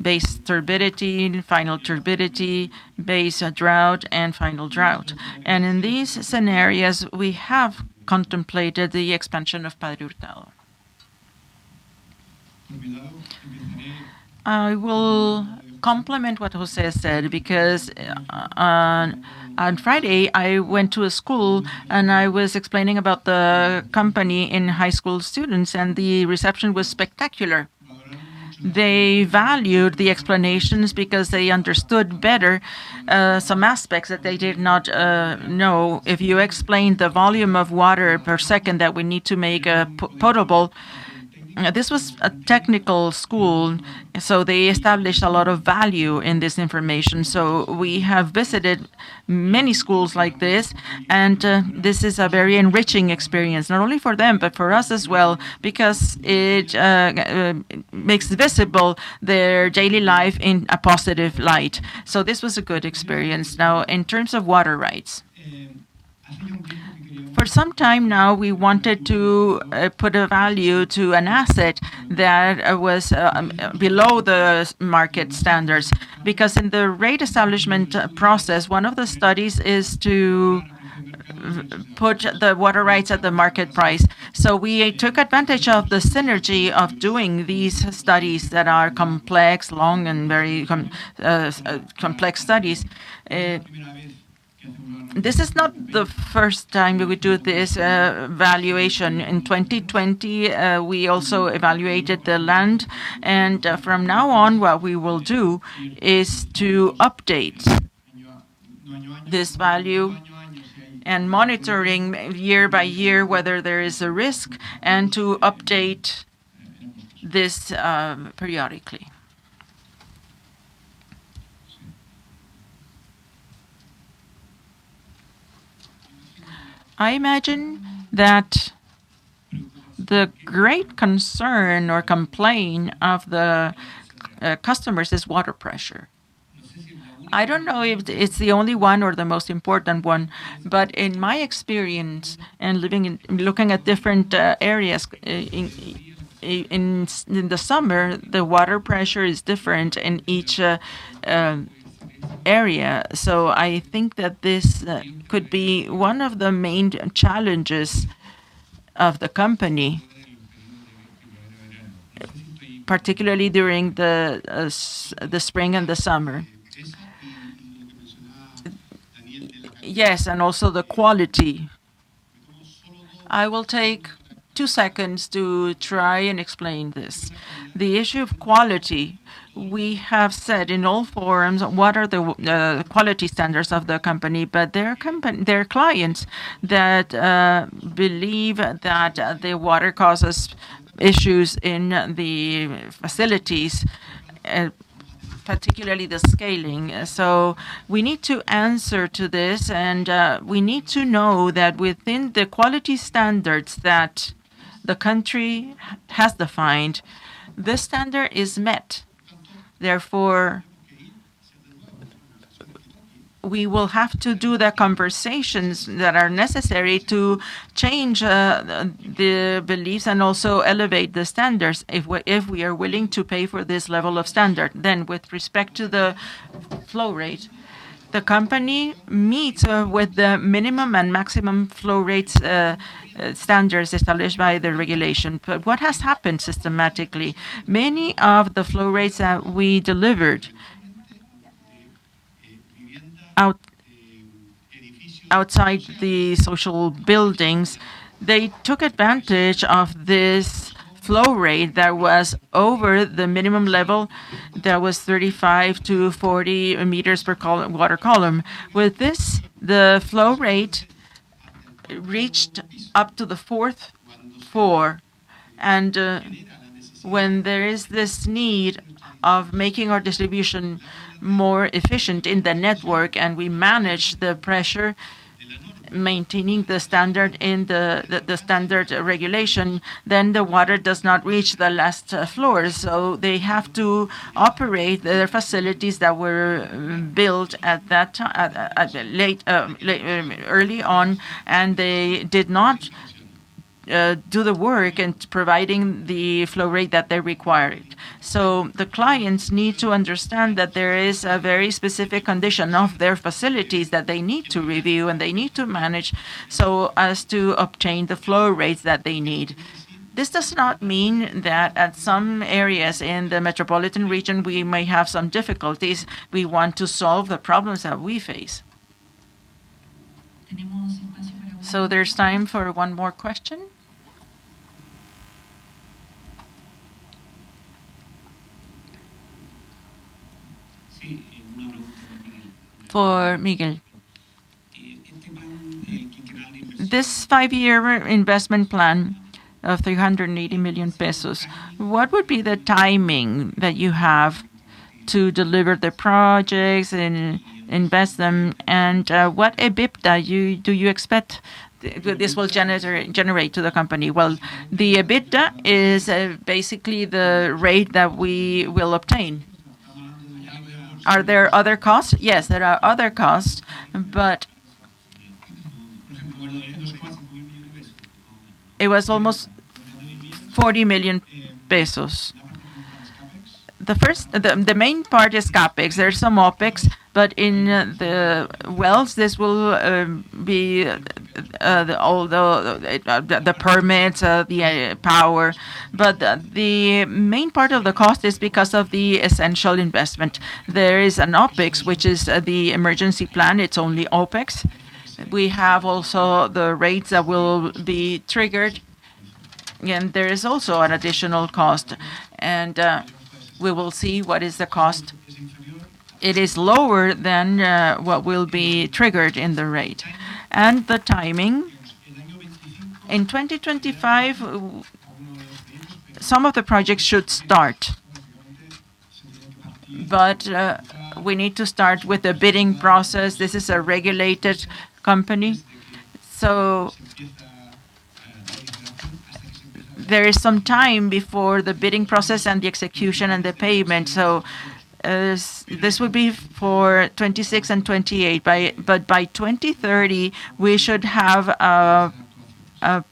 base turbidity, final turbidity, base drought, and final drought. In these scenarios, we have contemplated the expansion of Padre Hurtado. I will complement what José said because on Friday, I went to a school, and I was explaining about the company to high school students, and the reception was spectacular. They valued the explanations because they understood better some aspects that they did not know. If you explained the volume of water per second that we need to make potable. This was a technical school, so they established a lot of value in this information. We have visited many schools like this, and this is a very enriching experience, not only for them, but for us as well, because it makes visible their daily life in a positive light. This was a good experience. Now, in terms of water rights. For some time now, we wanted to put a value to an asset that was below the sub-market standards. Because in the rate establishment process, one of the studies is to put the water rights at the market price. We took advantage of the synergy of doing these studies that are complex, long, and very complex studies. This is not the first time that we do this valuation. In 2020, we also evaluated the land. From now on, what we will do is to update this value and monitoring year by year whether there is a risk and to update this periodically. I imagine that the great concern or complaint of the customers is water pressure. I don't know if it's the only one or the most important one, but in my experience and looking at different areas in the summer, the water pressure is different in each area. I think that this could be one of the main challenges of the company, particularly during the spring and the summer. Yes, and also the quality. I will take two seconds to try and explain this. The issue of quality, we have said in all forums, what are the quality standards of the company? There are clients that believe that the water causes issues in the facilities, particularly the scaling. We need to answer to this, and we need to know that within the quality standards that the country has defined, the standard is met. Therefore, we will have to do the conversations that are necessary to change the beliefs and also elevate the standards if we are willing to pay for this level of standard. With respect to the flow rate, the company meets with the minimum and maximum flow rates standards established by the regulation. What has happened systematically, many of the flow rates that we delivered outside the social buildings, they took advantage of this flow rate that was over the minimum level that was 35-40 meters of water column. With this, the flow rate reached up to the fourth floor, and when there is this need of making our distribution more efficient in the network and we manage the pressure, maintaining the standard in the standard regulation, then the water does not reach the last floor. They have to operate their facilities that were built at that time, early on, and they did not do the work in providing the flow rate that they required. The clients need to understand that there is a very specific condition of their facilities that they need to review and they need to manage so as to obtain the flow rates that they need. This does not mean that at some areas in the metropolitan region, we may have some difficulties. We want to solve the problems that we face. Any more questions? There's time for one more question. For Miquel. This 5-year investment plan of 380 million pesos, what would be the timing that you have to deliver the projects and invest them? And what EBITDA do you expect this will generate to the company? Well, the EBITDA is basically the rate that we will obtain. Are there other costs? Yes, there are other costs, but it was almost 40 million pesos. The main part is CapEx. There's some OpEx, but in the wells, this will be all the permits, the power. The main part of the cost is because of the essential investment. There is an OpEx, which is the emergency plan. It's only OpEx. We have also the rates that will be triggered. Again, there is also an additional cost, and we will see what is the cost. It is lower than what will be triggered in the rate. The timing, in 2025, some of the projects should start. We need to start with the bidding process. This is a regulated company, so there is some time before the bidding process and the execution and the payment. This would be for 2026 and 2028. By 2030, we should have the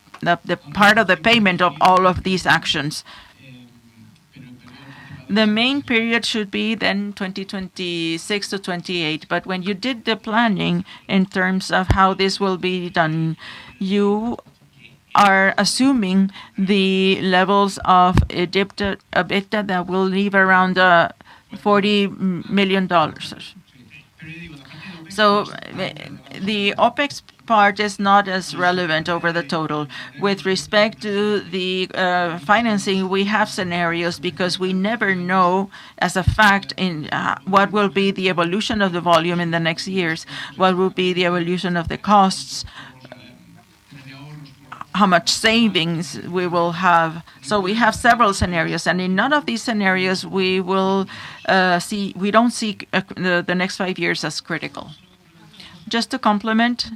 part of the payment of all of these actions. The main period should be then 2026-2028, when you did the planning in terms of how this will be done, you are assuming the levels of EBITDA that will leave around $40 million. The OpEx part is not as relevant over the total. With respect to the financing, we have scenarios because we never know as a fact in what will be the evolution of the volume in the next years, what will be the evolution of the costs, how much savings we will have. We have several scenarios, and in none of these scenarios, we don't see the next five years as critical. Just to complement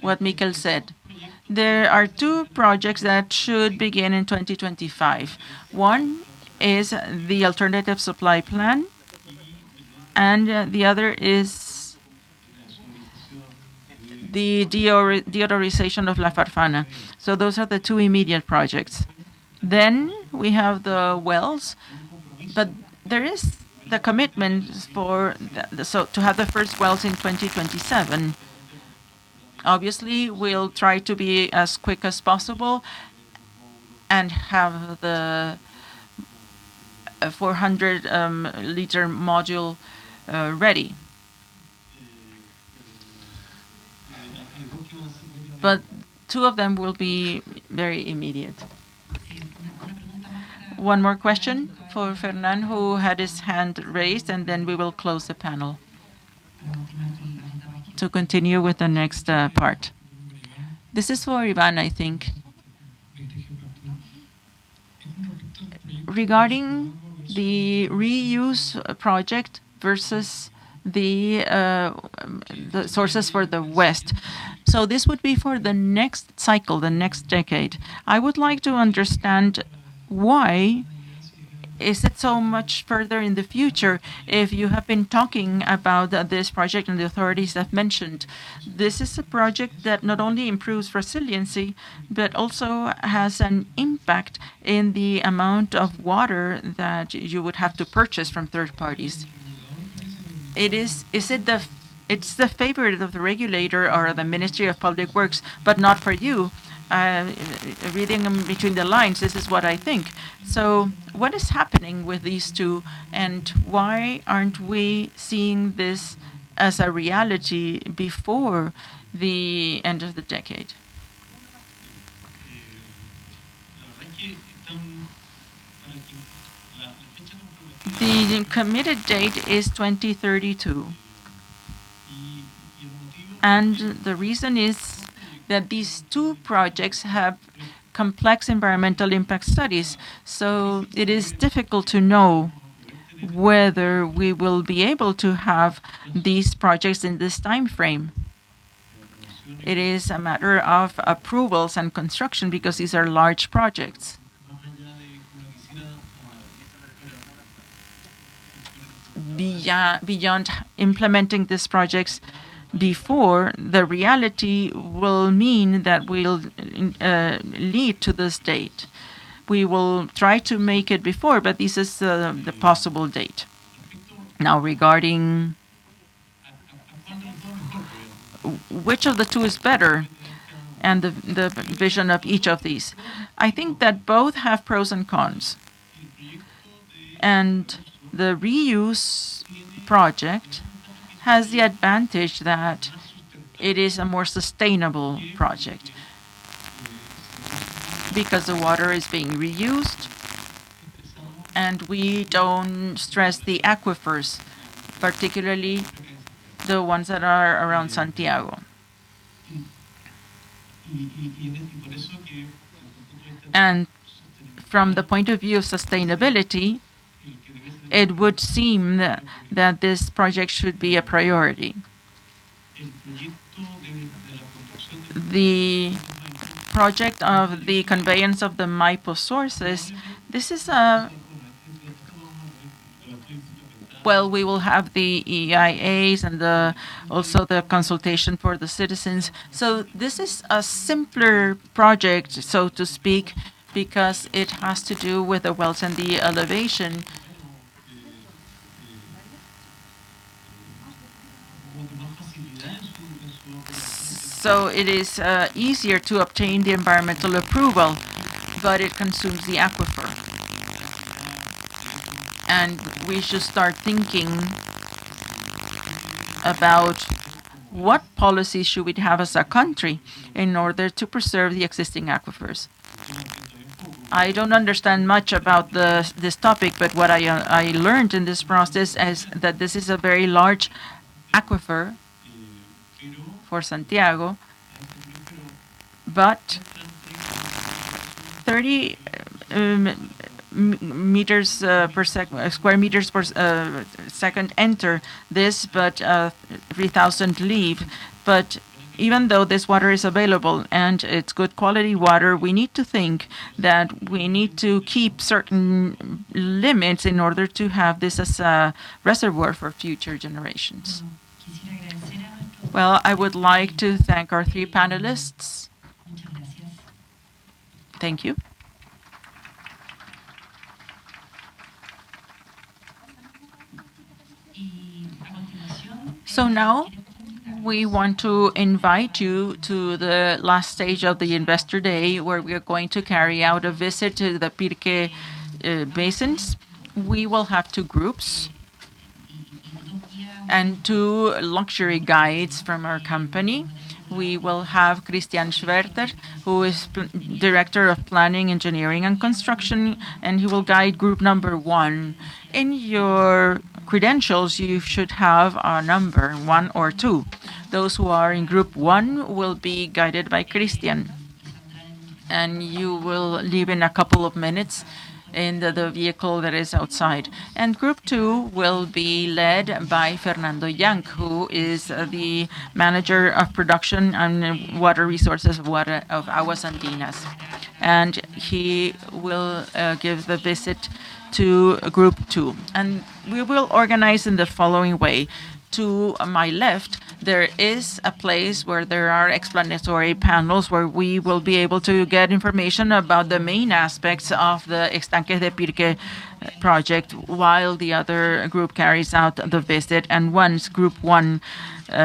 what Miquel said, there are two projects that should begin in 2025. One is the alternative supply plan, and the other is the deodorization of La Farfana. Those are the two immediate projects. We have the wells, but there is the commitment to have the first wells in 2027. Obviously, we'll try to be as quick as possible and have the 400 liter module ready. Two of them will be very immediate. One more question for Fernan, who had his hand raised, and then we will close the panel to continue with the next part. This is for Iván, I think. Regarding the reuse project versus the sources for the west. This would be for the next cycle, the next decade. I would like to understand why is it so much further in the future if you have been talking about this project and the authorities have mentioned. This is a project that not only improves resiliency, but also has an impact in the amount of water that you would have to purchase from third parties. It is. Is it the favorite of the regulator or the Ministry of Public Works, but not for you. Reading between the lines, this is what I think. What is happening with these two, and why aren't we seeing this as a reality before the end of the decade? The committed date is 2032. The reason is that these two projects have complex environmental impact studies, so it is difficult to know whether we will be able to have these projects in this timeframe. It is a matter of approvals and construction because these are large projects. Beyond implementing these projects before, the reality will mean that we'll lead to this date. We will try to make it before, but this is the possible date. Now, regarding which of the two is better and the vision of each of these? I think that both have pros and cons, and the reuse project has the advantage that it is a more sustainable project because the water is being reused and we don't stress the aquifers, particularly the ones that are around Santiago. From the point of view of sustainability, it would seem that this project should be a priority. The project of the conveyance of the Maipo sources, this is. Well, we will have the EIAs and also the consultation for the citizens. This is a simpler project, so to speak, because it has to do with the wells and the elevation. It is easier to obtain the environmental approval, but it consumes the aquifer. We should start thinking about what policy should we have as a country in order to preserve the existing aquifers. I don't understand much about this topic, but what I learned in this process is that this is a very large aquifer for Santiago, but 30 square meters per second enter this, but 3,000 leave. Even though this water is available and it's good quality water, we need to think that we need to keep certain limits in order to have this as a reservoir for future generations. Well, I would like to thank our three panelists. Thank you. Now we want to invite you to the last stage of the Investor Day, where we are going to carry out a visit to the Pirque basins. We will have two groups and two luxury guides from our company. We will have Cristian Schwerter, who is Director of Planning, Engineering and Construction, and he will guide group number one. In your credentials, you should have a number, one or two. Those who are in group one will be guided by Cristian, and you will leave in a couple of minutes in the vehicle that is outside. Group two will be led by Fernando Young, who is the Manager of Production and Water Resources of Aguas Andinas. He will give the visit to group two. We will organize in the following way. To my left, there is a place where there are explanatory panels where we will be able to get information about the main aspects of the Estanques de Pirque project while the other group carries out the visit. Once group one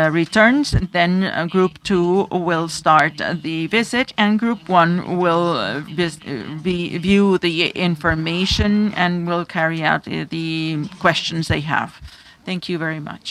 returns, then group two will start the visit, and group one will view the information and will carry out the questions they have. Thank you very much.